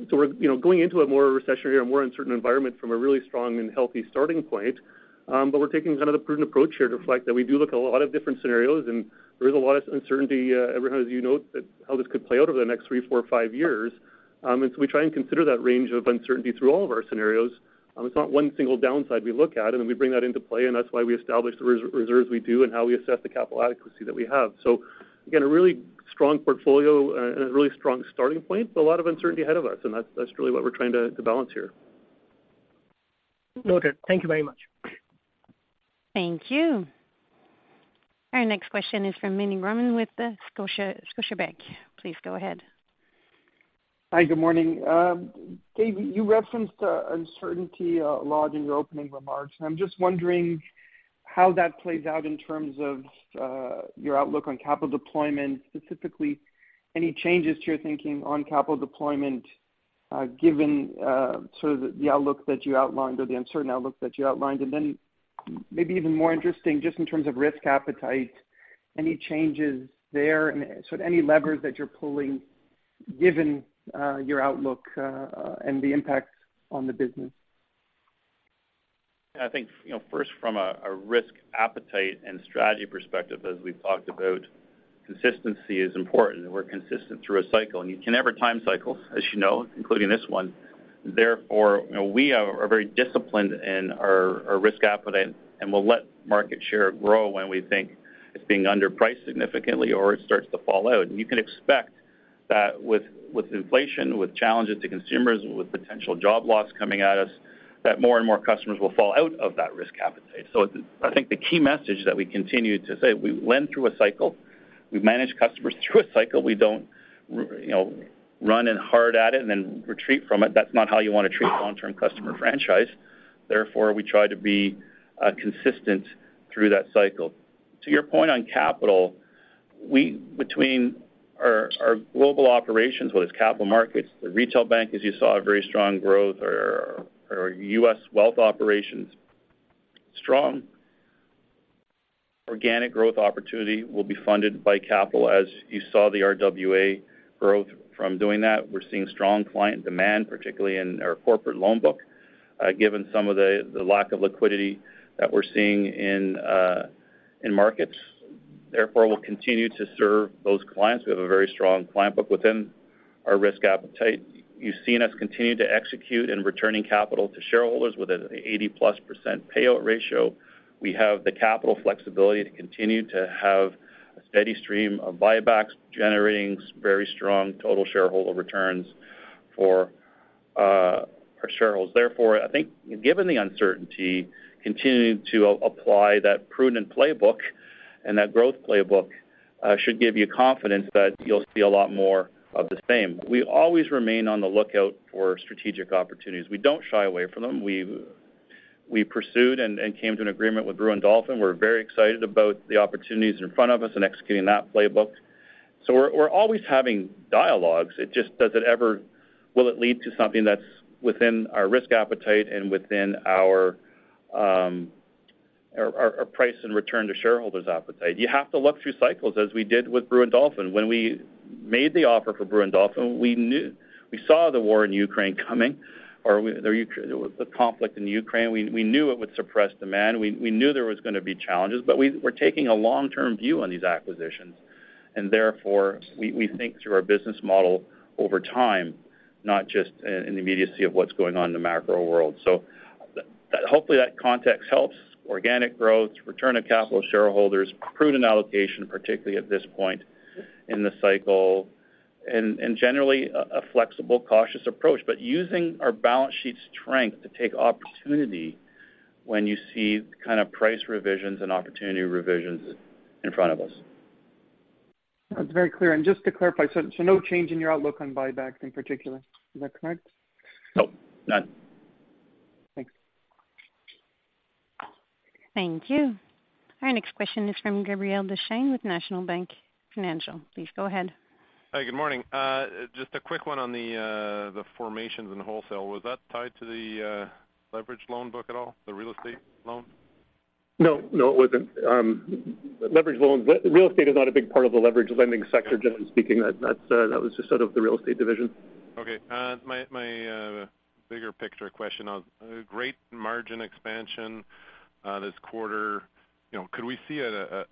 We're, you know, going into a more recessionary and more uncertain environment from a really strong and healthy starting point. We're taking kind of the prudent approach here to reflect that we do look at a lot of different scenarios, and there is a lot of uncertainty, everyone, as you note, that how this could play out over the next three, four, five years. We try and consider that range of uncertainty through all of our scenarios. It's not one single downside we look at, and then we bring that into play, and that's why we establish the reserves we do and how we assess the capital adequacy that we have. Again, a really strong portfolio and a really strong starting point, but a lot of uncertainty ahead of us, and that's really what we're trying to balance here. Noted. Thank you very much. Thank you. Our next question is from Meny Grauman with Scotiabank. Please go ahead. Hi, good morning. Dave, you referenced uncertainty a lot in your opening remarks, and I'm just wondering how that plays out in terms of your outlook on capital deployment. Specifically, any changes to your thinking on capital deployment given sort of the outlook that you outlined or the uncertain outlook that you outlined? And then maybe even more interesting, just in terms of risk appetite, any changes there and sort of any levers that you're pulling given your outlook and the impacts on the business? I think, you know, first from a risk appetite and strategy perspective, as we've talked about, consistency is important, and we're consistent through a cycle. You can never time cycles, as you know, including this one. Therefore, you know, we are very disciplined in our risk appetite, and we'll let market share grow when we think it's being underpriced significantly or it starts to fall out. You can expect that with inflation, with challenges to consumers, with potential job loss coming at us, that more and more customers will fall out of that risk appetite. I think the key message that we continue to say, we went through a cycle, we've managed customers through a cycle. We don't, you know, run in hard at it and then retreat from it. That's not how you wanna treat long-term customer franchise. Therefore, we try to be consistent through that cycle. To your point on capital, we between our global operations, whether it's Capital Markets, the retail bank, as you saw, a very strong growth or U.S. wealth operations, strong organic growth opportunity will be funded by capital. As you saw the RWA growth from doing that, we're seeing strong client demand, particularly in our corporate loan book, given some of the lack of liquidity that we're seeing in markets. Therefore, we'll continue to serve those clients. We have a very strong client book within our risk appetite. You've seen us continue to execute in returning capital to shareholders with an 80+% payout ratio. We have the capital flexibility to continue to have a steady stream of buybacks generating very strong total shareholder returns for our shareholders. Therefore, I think given the uncertainty, continuing to apply that prudent playbook and that growth playbook should give you confidence that you'll see a lot more of the same. We always remain on the lookout for strategic opportunities. We don't shy away from them. We pursued and came to an agreement with Brewin Dolphin. We're very excited about the opportunities in front of us in executing that playbook. We're always having dialogues. It just will it lead to something that's within our risk appetite and within our price and return to shareholders' appetite. You have to look through cycles as we did with Brewin Dolphin. When we made the offer for Brewin Dolphin, we saw the war in Ukraine coming, or the conflict in Ukraine. We knew it would suppress demand. We knew there was gonna be challenges, but we're taking a long-term view on these acquisitions. Therefore, we think through our business model over time, not just in the immediacy of what's going on in the macro world. Hopefully that context helps. Organic growth, return of capital to shareholders, prudent allocation, particularly at this point in the cycle, and generally a flexible, cautious approach, but using our balance sheet strength to take opportunity when you see kind of price revisions and opportunity revisions in front of us. That's very clear. Just to clarify, so no change in your outlook on buybacks in particular. Is that correct? Nope. None. Thanks. Thank you. Our next question is from Gabriel Dechaine with National Bank Financial. Please go ahead. Hi, good morning. Just a quick one on the provisions in wholesale. Was that tied to the leveraged loan book at all, the real estate loan? No. No, it wasn't. Leveraged loans, real estate is not a big part of the leveraged lending sector, generally speaking. That was just out of the real estate division. Okay. My bigger picture question. Great margin expansion this quarter. You know, could we see a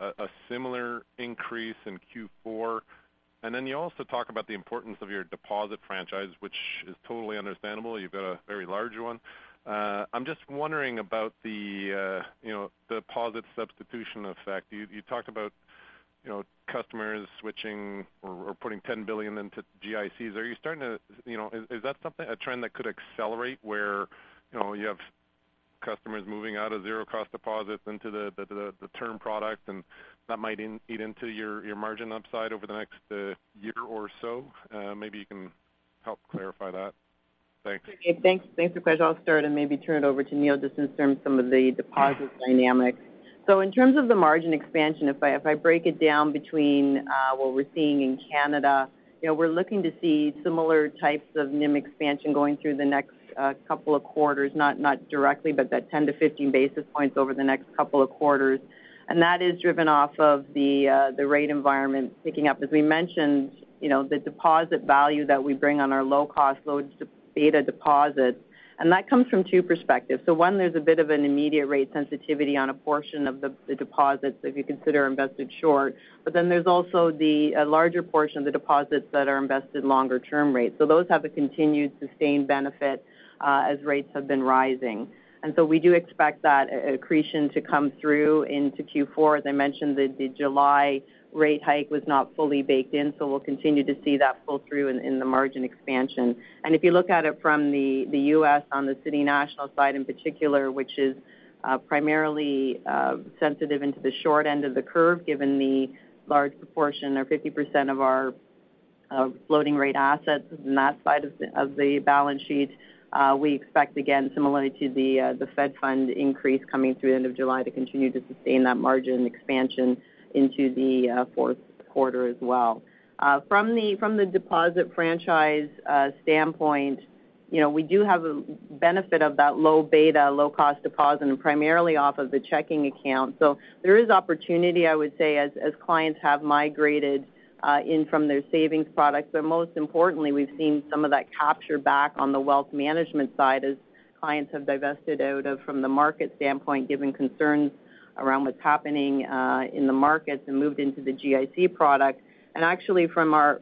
similar increase in Q4? You also talk about the importance of your deposit franchise, which is totally understandable. You've got a very large one. I'm just wondering about the, you know, deposit substitution effect. You talked about, you know, customers switching or putting $10 billion into GICs. Are you starting to, you know? Is that something, a trend that could accelerate where, you know, you have customers moving out of zero-cost deposits into the term product, and that might eat into your margin upside over the next year or so? Maybe you can help clarify that. Thanks. Thanks. Thanks for the question. I'll start, and maybe turn it over to Neil just in terms of some of the deposit dynamics. In terms of the margin expansion, if I break it down between what we're seeing in Canada, you know, we're looking to see similar types of NIM expansion going through the next couple of quarters, not directly, but that 10 basis points-15 basis points over the next couple of quarters. That is driven off of the rate environment picking up. As we mentioned, you know, the deposit value that we bring on our low-cost, low-beta deposits, and that comes from two perspectives. One, there's a bit of an immediate rate sensitivity on a portion of the deposits if you consider invested short. There's also the larger portion of the deposits that are invested longer term rates. Those have a continued sustained benefit as rates have been rising. We do expect that accretion to come through into Q4. As I mentioned, the July rate hike was not fully baked in, so we'll continue to see that pull through in the margin expansion. If you look at it from the U.S. on the City National side in particular, which is primarily sensitive into the short end of the curve, given the large proportion or 50% of our floating rate assets in that side of the balance sheet, we expect, again, similarly to the Fed funds increase coming through end of July to continue to sustain that margin expansion into the fourth quarter as well. From the deposit franchise standpoint, you know, we do have a benefit of that low beta, low-cost deposit, and primarily off of the checking account. There is opportunity, I would say, as clients have migrated in from their savings products. Most importantly, we've seen some of that capture back on the Wealth Management side as clients have divested out of, from the market standpoint, given concerns around what's happening in the markets and moved into the GIC product. Actually, from our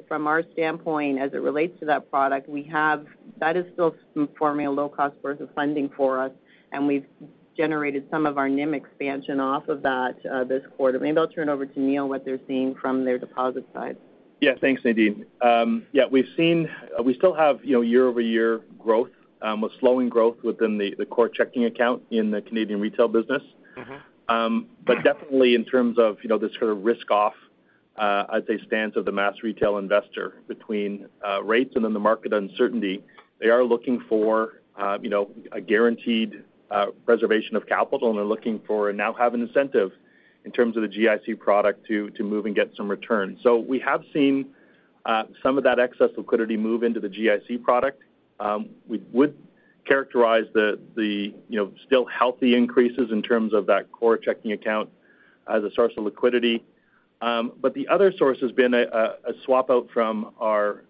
standpoint as it relates to that product, that is still a low-cost source of funding for us, and we've generated some of our NIM expansion off of that this quarter. Maybe I'll turn over to Neil, what they're seeing from their deposit side. Yeah. Thanks, Nadine. Yeah, we still have, you know, year-over-year growth, a slowing growth within the core checking account in the Canadian retail business. Mm-hmm. Definitely in terms of, you know, this sort of risk off, I'd say, stance of the mass retail investor between rates and then the market uncertainty, they are looking for, you know, a guaranteed reservation of capital, and they're looking for, and now have an incentive in terms of the GIC product to move and get some return. We have seen some of that excess liquidity move into the GIC product. We would characterize the, you know, still healthy increases in terms of that core checking account as a source of liquidity. The other source has been a swap out from our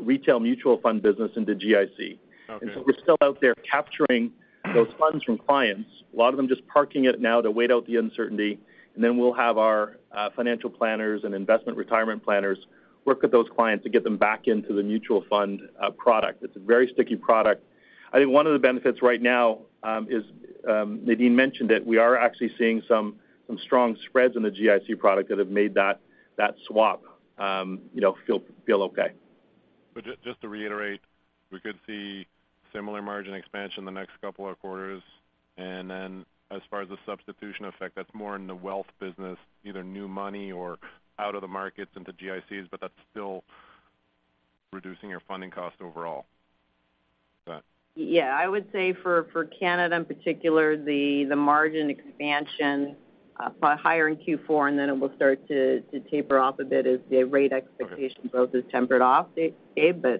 retail mutual fund business into GIC. Okay. We're still out there capturing those funds from clients. A lot of them just parking it now to wait out the uncertainty, and then we'll have our financial planners and investment retirement planners work with those clients to get them back into the mutual fund product. It's a very sticky product. I think one of the benefits right now is Nadine mentioned it, we are actually seeing some strong spreads in the GIC product that have made that swap you know feel okay. Just to reiterate, we could see similar margin expansion in the next couple of quarters. Then as far as the substitution effect, that's more in the Wealth business, either new money or out of the markets into GICs, but that's still reducing your funding cost overall. Is that? Yeah. I would say for Canada in particular, the margin expansion higher in Q4, and then it will start to taper off a bit as the rate expectations taper off, Gabe. Similar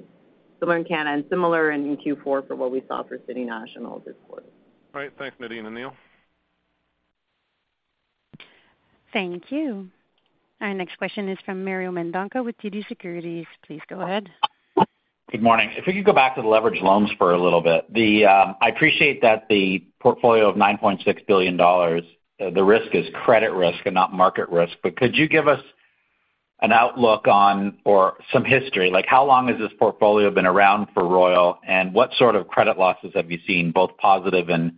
in Canada and similar in Q4 for what we saw for City National this quarter. All right. Thanks, Nadine and Neil. Thank you. Our next question is from Mario Mendonca with TD Securities. Please go ahead. Good morning. If we could go back to the leveraged loans for a little bit. I appreciate that the portfolio of $9.6 billion, the risk is credit risk and not market risk. Could you give us an outlook on or some history, like how long has this portfolio been around for Royal, and what sort of credit losses have you seen, both positive and,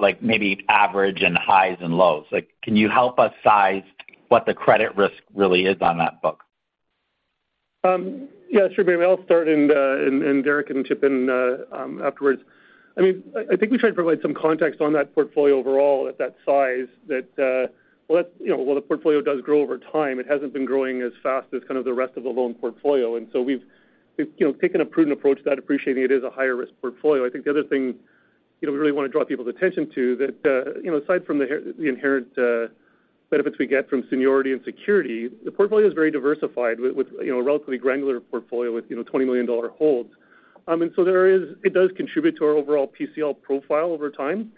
like maybe average and highs and lows? Like, can you help us size what the credit risk really is on that book? Yeah, sure, Mario. I'll start, and Derek can chip in afterwards. I mean, I think we tried to provide some context on that portfolio overall at that size that, well, that's, you know, while the portfolio does grow over time, it hasn't been growing as fast as kind of the rest of the loan portfolio. We've taken a prudent approach to that, appreciating it is a higher risk portfolio. I think the other thing, you know, we really want to draw people's attention to that, you know, aside from the inherent. Benefits we get from seniority and security. The portfolio is very diversified with you know a relatively granular portfolio with you know 20 million dollar holds. There is. It does contribute to our overall PCL profile over time.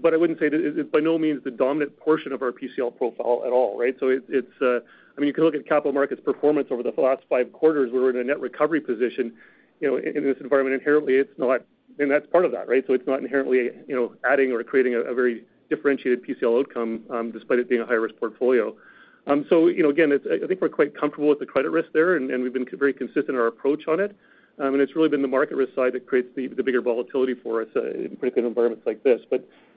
But I wouldn't say that it it's by no means the dominant portion of our PCL profile at all right? It it's I mean you can look at Capital Markets performance over the last five quarters. We were in a net recovery position you know in this environment inherently it's not and that's part of that right? It's not inherently you know adding or creating a very differentiated PCL outcome despite it being a high-risk portfolio. You know, again, I think we're quite comfortable with the credit risk there, and we've been very consistent in our approach on it. It's really been the market risk side that creates the bigger volatility for us in particular environments like this.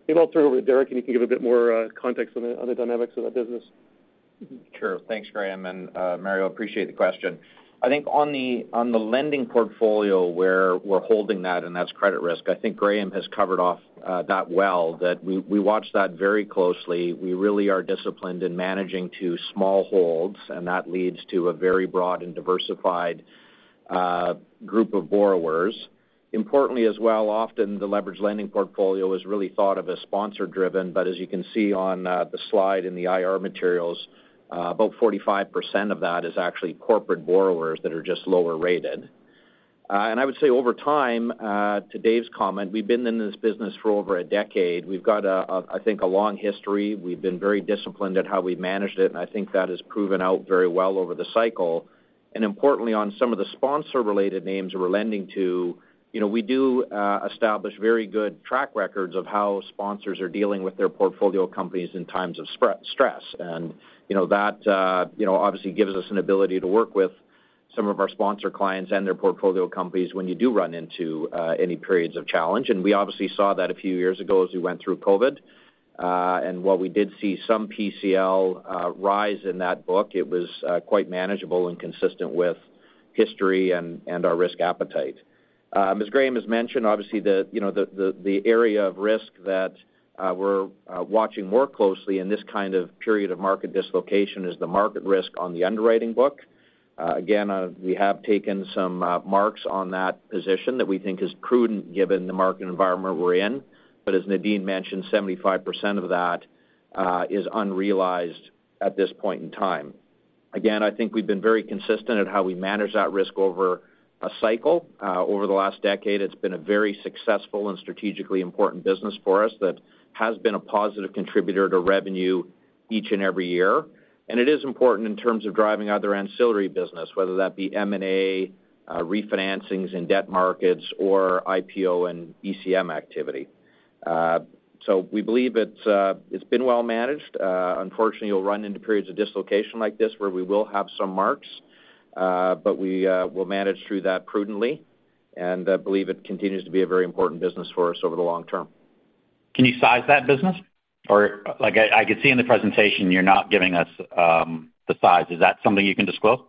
Maybe I'll turn it over to Derek, and he can give a bit more context on the other dynamics of that business. Sure. Thanks, Graeme. Mario, appreciate the question. I think on the lending portfolio where we're holding that and that's credit risk, I think Graeme has covered off that well, that we watch that very closely. We really are disciplined in managing to small holds, and that leads to a very broad and diversified group of borrowers. Importantly as well, often the leveraged lending portfolio is really thought of as sponsor-driven, but as you can see on the slide in the IR materials, about 45% of that is actually corporate borrowers that are just lower rated. I would say over time, to Dave's comment, we've been in this business for over a decade. We've got a, I think, a long history. We've been very disciplined at how we've managed it, and I think that has proven out very well over the cycle. Importantly, on some of the sponsor-related names we're lending to, you know, we do establish very good track records of how sponsors are dealing with their portfolio companies in times of stress. You know, that you know obviously gives us an ability to work with some of our sponsor clients and their portfolio companies when you do run into any periods of challenge. We obviously saw that a few years ago as we went through COVID. While we did see some PCL rise in that book, it was quite manageable and consistent with history and our risk appetite. As Graeme has mentioned, obviously the area of risk that we're watching more closely in this kind of period of market dislocation is the market risk on the underwriting book. Again, we have taken some marks on that position that we think is prudent given the market environment we're in. As Nadine mentioned, 75% of that is unrealized at this point in time. Again, I think we've been very consistent at how we manage that risk over a cycle. Over the last decade, it's been a very successful and strategically important business for us that has been a positive contributor to revenue each and every year. It is important in terms of driving other ancillary business, whether that be M&A, refinancings in debt markets or IPO and ECM activity. We believe it's been well managed. Unfortunately, you'll run into periods of dislocation like this where we will have some marks, but we will manage through that prudently. I believe it continues to be a very important business for us over the long term. Can you size that business? Or like I could see in the presentation you're not giving us, the size. Is that something you can disclose?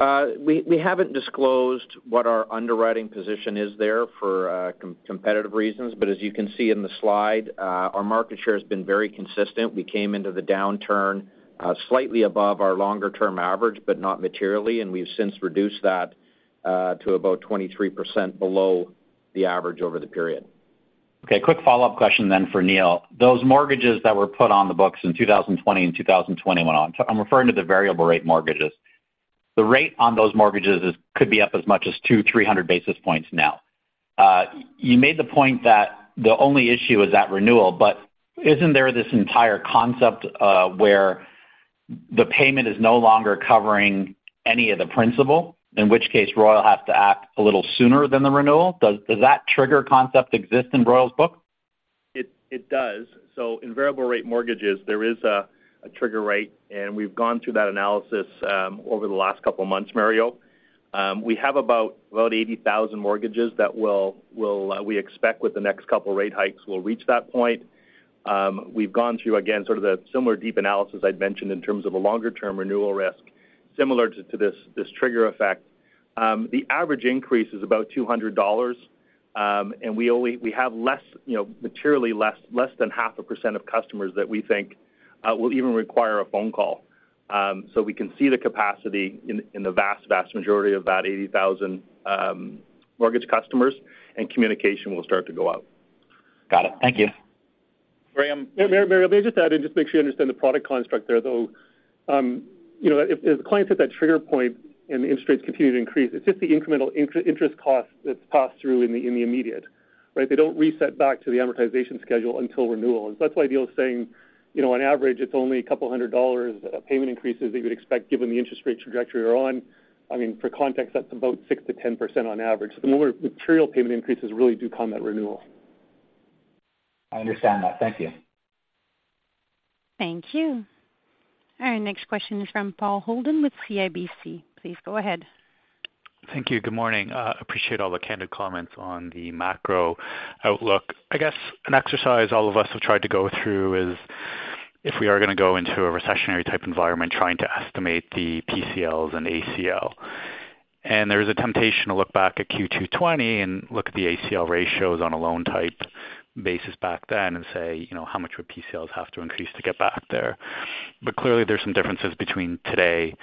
We haven't disclosed what our underwriting position is there for competitive reasons. As you can see in the slide, our market share has been very consistent. We came into the downturn slightly above our longer term average, but not materially, and we've since reduced that to about 23% below the average over the period. Okay, quick follow-up question then for Neil. Those mortgages that were put on the books in 2020 and 2021, so I'm referring to the variable rate mortgages. The rate on those mortgages is could be up as much as 200 basis points-300 basis points now. You made the point that the only issue is at renewal, but isn't there this entire concept where the payment is no longer covering any of the principal, in which case Royal has to act a little sooner than the renewal? Does that trigger concept exist in Royal's book? It does. In variable rate mortgages, there is a trigger rate, and we've gone through that analysis over the last couple of months, Mario. We have about 80,000 mortgages that we expect with the next couple rate hikes will reach that point. We've gone through again sort of the similar deep analysis I'd mentioned in terms of a longer term renewal risk, similar to this trigger effect. The average increase is about $200, and we have less, you know, materially less than 0.5% of customers that we think will even require a phone call. We can see the capacity in the vast majority of that 80,000 mortgage customers and communication will start to go out. Got it. Thank you. Graeme. Mario, may I just add in just make sure you understand the product construct there, though. You know, if the client's at that trigger point and the interest rates continue to increase, it's just the incremental interest cost that's passed through in the immediate, right? They don't reset back to the amortization schedule until renewal. That's why Neil's saying, you know, on average it's only $200 payment increases that you would expect given the interest rate trajectory we're on. I mean, for context, that's about 6%-10% on average. The more material payment increases really do come at renewal. I understand that. Thank you. Thank you. All right, next question is from Paul Holden with CIBC. Please go ahead. Thank you. Good morning. Appreciate all the candid comments on the macro outlook. I guess an exercise all of us have tried to go through is if we are gonna go into a recessionary type environment trying to estimate the PCLs and ACL. There is a temptation to look back at Q2 2020 and look at the ACL ratios on a loan type basis back then and say, you know, how much would PCLs have to increase to get back there? Clearly there's some differences between today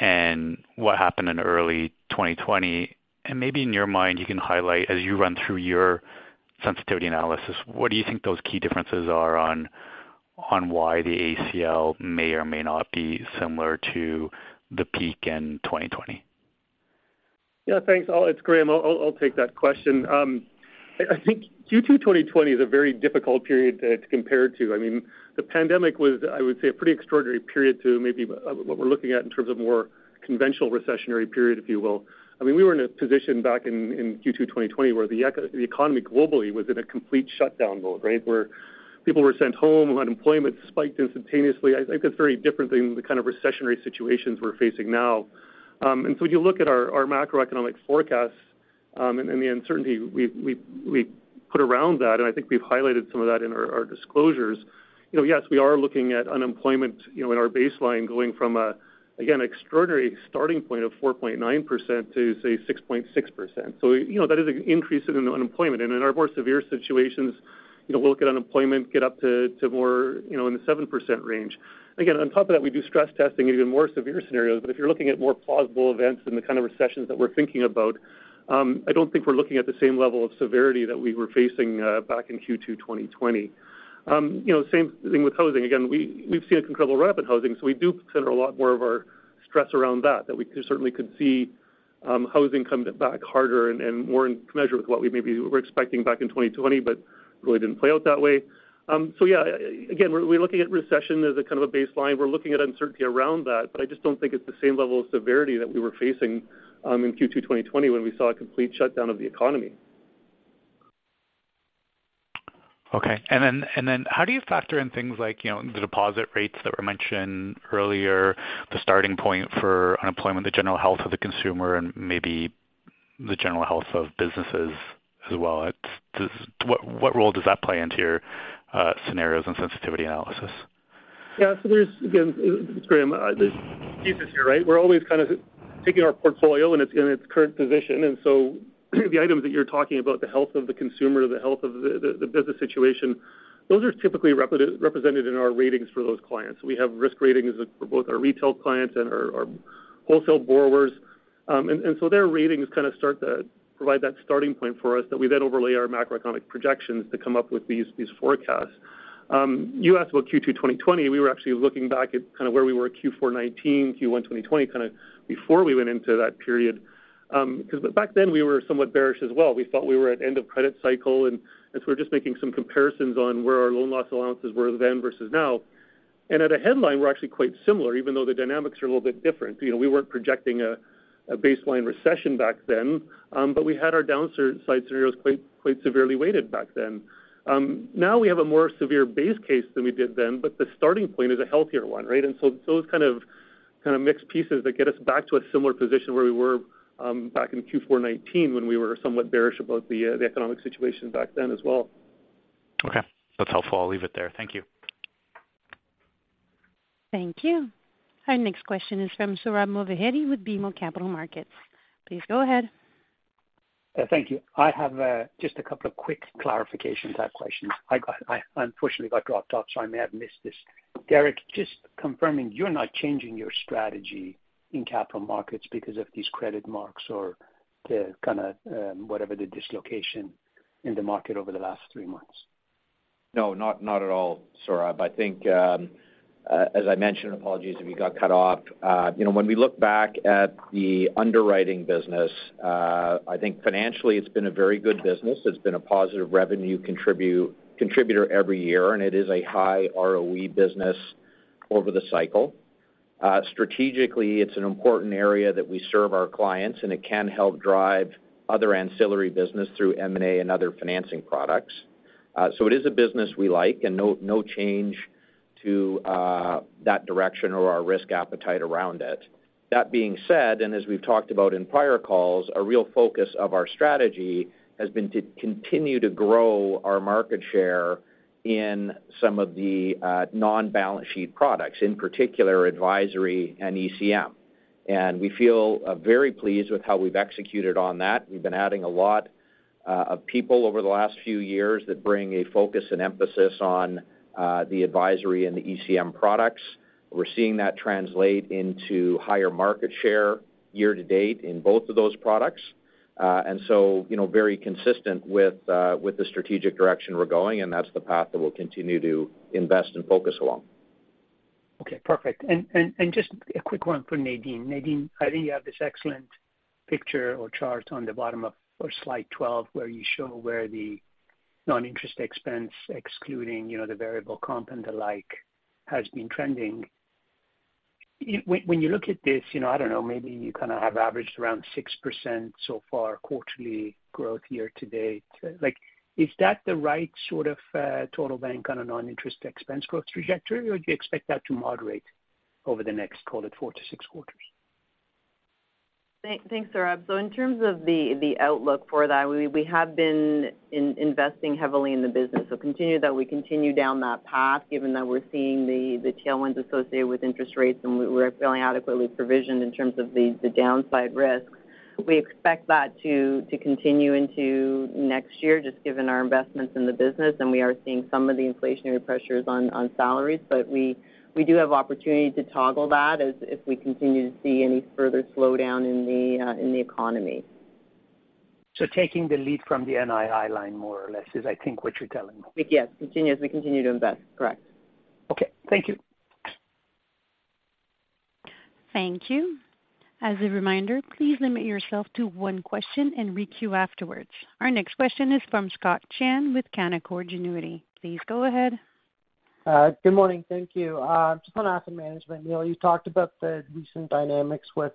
and what happened in early 2020. Maybe in your mind, you can highlight as you run through your sensitivity analysis, what do you think those key differences are on why the ACL may or may not be similar to the peak in 2020? Yeah, thanks. It's Graeme. I'll take that question. I think Q2 2020 is a very difficult period to compare to. I mean, the pandemic was, I would say, a pretty extraordinary period to maybe what we're looking at in terms of more conventional recessionary period, if you will. I mean, we were in a position back in Q2 2020 where the economy globally was in a complete shutdown mode, right? Where people were sent home, unemployment spiked instantaneously. I think that's very different than the kind of recessionary situations we're facing now. And so you look at our macroeconomic forecasts, and the uncertainty we put around that, and I think we've highlighted some of that in our disclosures. You know, yes, we are looking at unemployment, you know, in our baseline going from an again extraordinary starting point of 4.9% to say 6.6%. You know, that is an increase in unemployment. In our more severe situations, you know, we'll look at unemployment get up to more, you know, in the 7% range. Again, on top of that, we do stress testing even more severe scenarios, but if you're looking at more plausible events and the kind of recessions that we're thinking about, I don't think we're looking at the same level of severity that we were facing back in Q2 2020. You know, same thing with housing. Again, we've seen an incredible run up in housing, so we do consider a lot more of our stress around that that we certainly could see housing come back harder and more in line with what we maybe were expecting back in 2020, but really didn't play out that way. Yeah, again, we're looking at recession as a kind of a baseline. We're looking at uncertainty around that, but I just don't think it's the same level of severity that we were facing in Q2 2020 when we saw a complete shutdown of the economy. Okay. How do you factor in things like, you know, the deposit rates that were mentioned earlier, the starting point for unemployment, the general health of the consumer, and maybe the general health of businesses as well? What role does that play into your scenarios and sensitivity analysis? It's Graeme. There are pieces here, right? We're always kind of taking our portfolio in its current position. The items that you're talking about, the health of the consumer, the health of the business situation, those are typically represented in our ratings for those clients. We have risk ratings for both our retail clients and our wholesale borrowers. Their ratings kind of start to provide that starting point for us that we then overlay our macroeconomic projections to come up with these forecasts. You asked about Q2 2020. We were actually looking back at kind of where we were at Q4 2019, Q1 2020, kind of before we went into that period. Back then, we were somewhat bearish as well. We thought we were at end of credit cycle, and as we're just making some comparisons on where our loan loss allowances were then versus now. At a headline, we're actually quite similar, even though the dynamics are a little bit different. You know, we weren't projecting a baseline recession back then, but we had our downside scenarios quite severely weighted back then. Now we have a more severe base case than we did then, but the starting point is a healthier one, right? Those kind of mixed pieces that get us back to a similar position where we were back in Q4 2019 when we were somewhat bearish about the economic situation back then as well. Okay. That's helpful. I'll leave it there. Thank you. Thank you. Our next question is from Sohrab Movahedi with BMO Capital Markets. Please go ahead. Yeah, thank you. I have just a couple of quick clarification type questions. I unfortunately got dropped off, so I may have missed this. Derek, just confirming, you're not changing your strategy in Capital Markets because of these credit markets or the kinda, whatever the dislocation in the market over the last three months? No, not at all, Sohrab. I think, as I mentioned, apologies if you got cut off. You know, when we look back at the Underwriting business, I think financially it's been a very good business. It's been a positive revenue contributor every year, and it is a high ROE business over the cycle. Strategically, it's an important area that we serve our clients, and it can help drive other ancillary business through M&A and other financing products. It is a business we like and no change to that direction or our risk appetite around it. That being said, as we've talked about in prior calls, a real focus of our strategy has been to continue to grow our market share in some of the non-balance sheet products, in particular advisory and ECM. We feel very pleased with how we've executed on that. We've been adding a lot of people over the last few years that bring a focus and emphasis on the advisory and the ECM products. We're seeing that translate into higher market share year to date in both of those products. You know, very consistent with the strategic direction we're going, and that's the path that we'll continue to invest and focus along. Okay, perfect. Just a quick one for Nadine. Nadine, I think you have this excellent picture or chart on the bottom of or slide 12, where you show where the non-interest expense excluding, you know, the variable comp and the like has been trending. When you look at this, you know, I don't know, maybe you kind of have averaged around 6% so far quarterly growth year to date. Like, is that the right sort of total bank on a non-interest expense growth trajectory, or do you expect that to moderate over the next, call it, four quarters-six quarters? Thanks, Sohrab. In terms of the outlook for that, we have been investing heavily in the business. We continue down that path, given that we're seeing the tailwinds associated with interest rates, and we're feeling adequately provisioned in terms of the downside risks. We expect that to continue into next year, just given our investments in the business, and we are seeing some of the inflationary pressures on salaries. We do have opportunity to toggle that as if we continue to see any further slowdown in the economy. Taking the lead from the NII line more or less is I think what you're telling me? Yes. Continue as we continue to invest. Correct. Okay. Thank you. Thank you. As a reminder, please limit yourself to one question and re-queue afterwards. Our next question is from Scott Chan with Canaccord Genuity. Please go ahead. Good morning. Thank you. Just on asset management, Neil, you talked about the recent dynamics with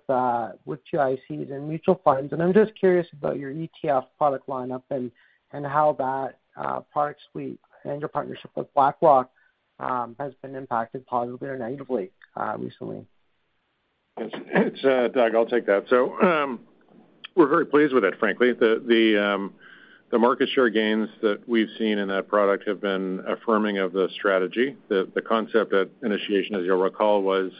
with GICs and mutual funds. I'm just curious about your ETF product lineup and how that product suite and your partnership with BlackRock has been impacted positively or negatively recently. It's Doug, I'll take that. We're very pleased with it, frankly. The market share gains that we've seen in that product have been affirming of the strategy. The concept at initiation, as you'll recall, was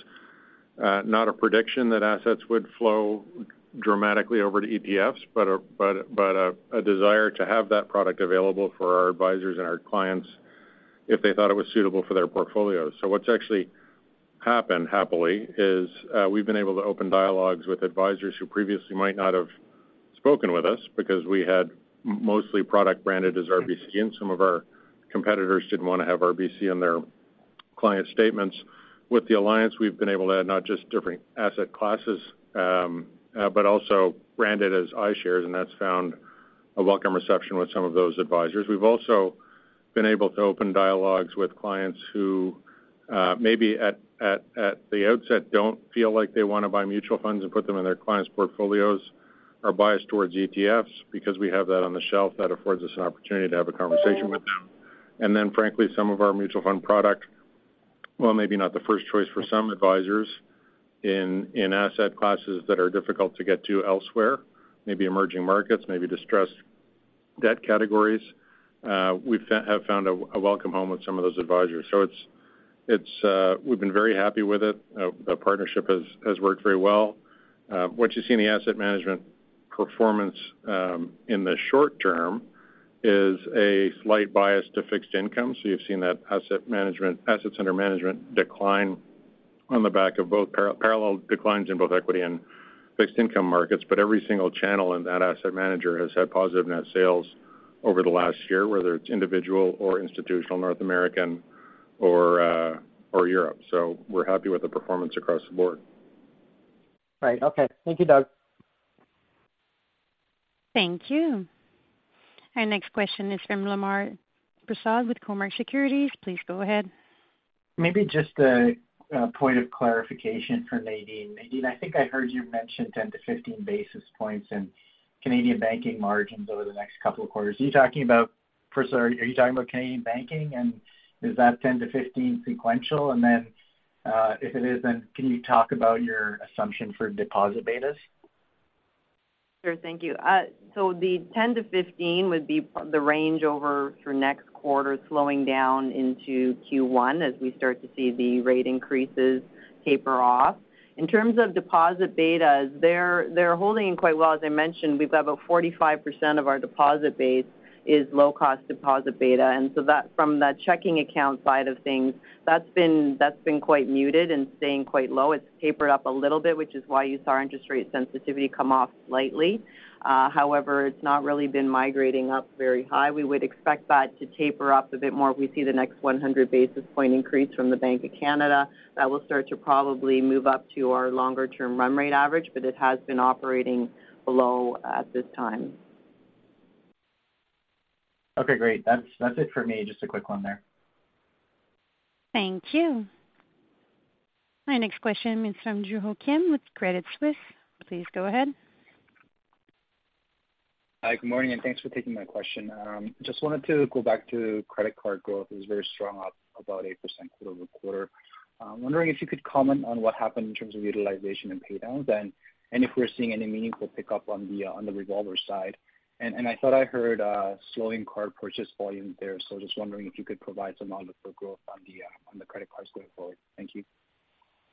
not a prediction that assets would flow dramatically over to ETFs, but a desire to have that product available for our advisors and our clients if they thought it was suitable for their portfolio. What's actually happened, happily, is we've been able to open dialogues with advisors who previously might not have spoken with us because we had mostly product branded as RBC, and some of our competitors didn't wanna have RBC on their client statements. With the alliance, we've been able to add not just different asset classes, but also brand it as iShares, and that's found a welcome reception with some of those advisors. We've also been able to open dialogues with clients who maybe at the outset don't feel like they wanna buy mutual funds and put them in their clients' portfolios, are biased towards ETFs because we have that on the shelf. That affords us an opportunity to have a conversation with them. Frankly, some of our mutual fund product, while maybe not the first choice for some advisors in asset classes that are difficult to get to elsewhere, maybe emerging markets, maybe distressed debt categories, we have found a welcome home with some of those advisors. It's we've been very happy with it. The partnership has worked very well. What you see in the asset management performance, in the short term, is a slight bias to fixed income. You've seen that assets under management decline on the back of both parallel declines in both equity and fixed income markets. Every single channel in that asset manager has had positive net sales over the last year, whether it's individual or institutional, North American or Europe. We're happy with the performance across the board. Right. Okay. Thank you, Doug. Thank you. Our next question is from Lemar Persaud with Cormark Securities. Please go ahead. Maybe just a point of clarification for Nadine. Nadine, I think I heard you mention 10 basis points-15 basis points in Canadian Banking margins over the next couple of quarters. First, are you talking about Canadian Banking, and is that 10 basis points-15 basis points sequential? And then, if it is, then can you talk about your assumption for deposit betas? Sure. Thank you. The 10 basis points-15 basis points would be the range over through next quarter, slowing down into Q1 as we start to see the rate increases taper off. In terms of deposit betas, they're holding quite well. As I mentioned, we've about 45% of our deposit base is low-cost deposit beta. That, from that checking account side of things, that's been quite muted and staying quite low. It's tapered up a little bit, which is why you saw our interest rate sensitivity come off slightly. However, it's not really been migrating up very high. We would expect that to taper up a bit more if we see the next 100 basis point increase from the Bank of Canada. That will start to probably move up to our longer term run rate average, but it has been operating below at this time. Okay, great. That's it for me. Just a quick one there. Thank you. Our next question is from Joo Ho Kim with Credit Suisse. Please go ahead. Hi, good morning, and thanks for taking my question. Just wanted to go back to credit card growth. It was very strong, up about 8% quarter-over-quarter. Wondering if you could comment on what happened in terms of utilization and pay downs and if we're seeing any meaningful pickup on the revolver side. I thought I heard a slowing card purchase volume there, so just wondering if you could provide some outlook for growth on the credit cards going forward. Thank you.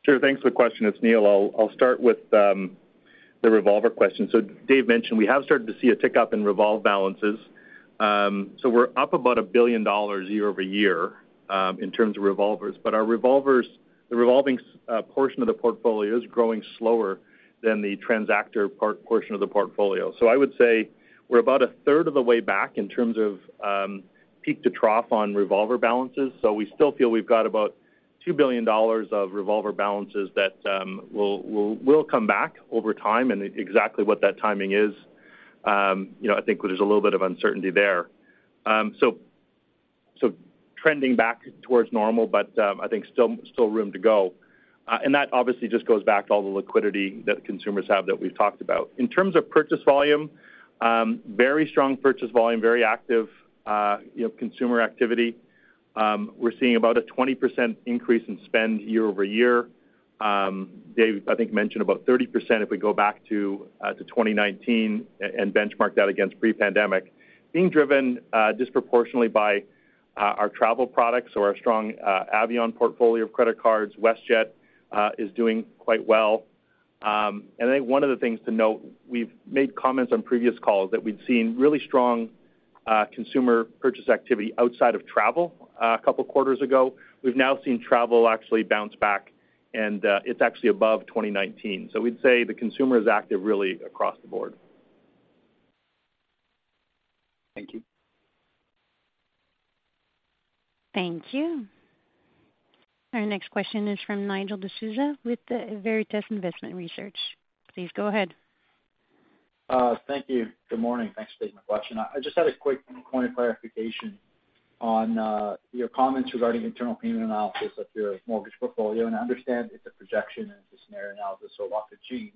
Sure. Thanks for the question. It's Neil. I'll start with the revolver question. Dave mentioned we have started to see a tick up in revolve balances. We're up about $1 billion year-over-year in terms of revolvers. But our revolvers, the revolving portion of the portfolio is growing slower than the transactor portion of the portfolio. I would say we're about a 1/3 of the way back in terms of peak to trough on revolver balances. We still feel we've got about $2 billion of revolver balances that will come back over time, and exactly what that timing is, you know, I think there's a little bit of uncertainty there. Trending back towards normal, but I think still room to go. That obviously just goes back to all the liquidity that consumers have that we've talked about. In terms of purchase volume, very strong purchase volume, very active, you know, consumer activity. We're seeing about a 20% increase in spend year-over-year. Dave, I think, mentioned about 30% if we go back to 2019 and benchmark that against pre-pandemic, being driven disproportionately by Our travel products or our strong Avion portfolio of credit cards, WestJet is doing quite well. I think one of the things to note, we've made comments on previous calls that we'd seen really strong consumer purchase activity outside of travel a couple quarters ago. We've now seen travel actually bounce back, and it's actually above 2019. We'd say the consumer is active really across the board. Thank you. Thank you. Our next question is from Nigel D'Souza with Veritas Investment Research. Please go ahead. Thank you. Good morning. Thanks for taking my question. I just had a quick point of clarification on your comments regarding internal payment analysis of your mortgage portfolio. I understand it's a projection and it's a scenario analysis, so a lot could change.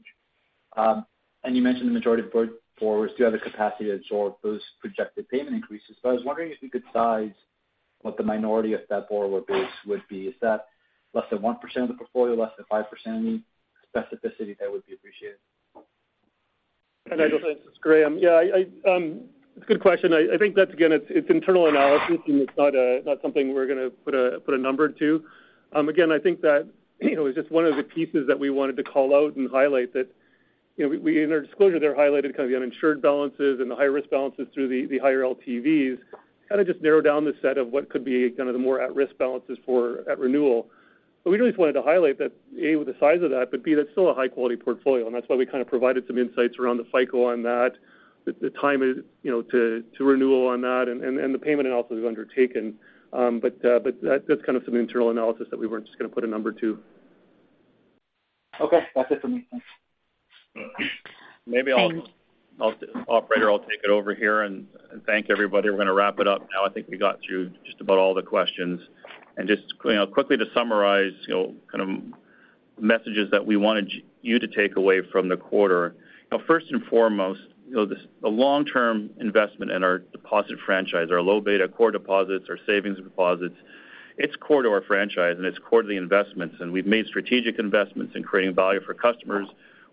You mentioned the majority of board borrowers do have the capacity to absorb those projected payment increases, but I was wondering if you could size what the minority of that borrower base would be. Is that less than 1% of the portfolio, less than 5%? Any specificity there would be appreciated. Nigel, this is Graeme. It's a good question. I think that's again, it's internal analysis, and it's not something we're gonna put a number to. Again, I think that, you know, it's just one of the pieces that we wanted to call out and highlight that, you know, in our disclosure there highlighted kind of the uninsured balances and the high-risk balances through the higher LTVs, kinda just narrow down the set of what could be kind of the more at-risk balances at renewal. We really just wanted to highlight that, A, with the size of that, but B, that's still a high-quality portfolio, and that's why we kind of provided some insights around the cycle on that. The time it you know to renewal on that and the payment analysis we've undertaken. That's kind of some internal analysis that we weren't just gonna put a number to. Okay. That's it for me. Thanks. Operator, I'll take it over here and thank everybody. We're gonna wrap it up now. I think we got through just about all the questions. Just, you know, quickly to summarize, you know, kind of messages that we wanted you to take away from the quarter. You know, first and foremost, you know, this, a long-term investment in our deposit franchise, our low beta core deposits, our savings deposits, it's core to our franchise and it's core to the investments. We've made strategic investments in creating value for customers.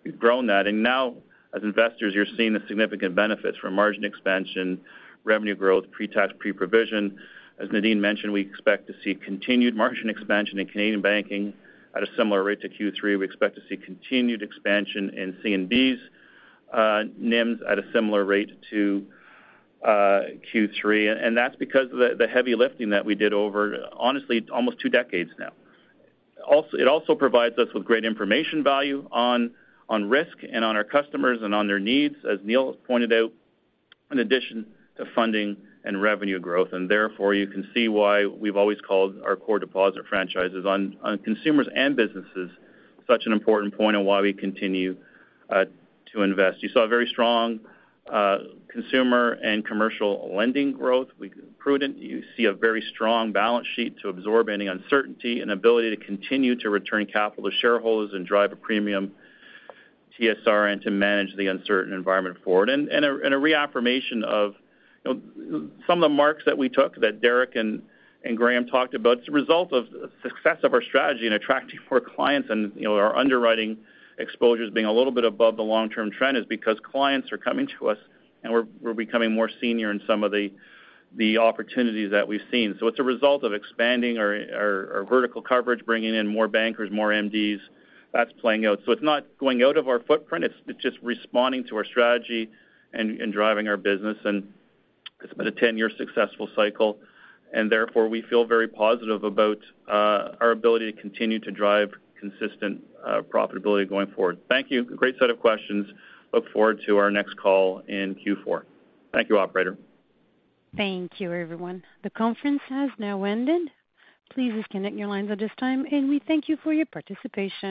We've grown that. Now as investors, you're seeing the significant benefits from margin expansion, revenue growth, pre-tax, pre-provision. As Nadine mentioned, we expect to see continued margin expansion in Canadian Banking at a similar rate to Q3. We expect to see continued expansion in CNB's NIMs at a similar rate to Q3. That's because the heavy lifting that we did over, honestly, almost two decades now. It also provides us with great information value on risk and on our customers and on their needs, as Neil pointed out, in addition to funding and revenue growth. Therefore, you can see why we've always called our core deposit franchises on consumers and businesses such an important point on why we continue to invest. You saw very strong consumer and commercial lending growth. We're prudent, you see a very strong balance sheet to absorb any uncertainty and ability to continue to return capital to shareholders and drive a premium TSR and to manage the uncertain environment forward. A reaffirmation of, you know, some of the marks that we took that Derek and Graeme talked about, it's a result of success of our strategy in attracting more clients and, you know, our underwriting exposures being a little bit above the long-term trend is because clients are coming to us and we're becoming more senior in some of the opportunities that we've seen. It's a result of expanding our vertical coverage, bringing in more bankers, more MDs. That's playing out. It's not going out of our footprint, it's just responding to our strategy and driving our business. It's been a 10-year successful cycle, and therefore, we feel very positive about our ability to continue to drive consistent profitability going forward. Thank you. Great set of questions. Look forward to our next call in Q4. Thank you, operator. Thank you, everyone. The conference has now ended. Please disconnect your lines at this time, and we thank you for your participation.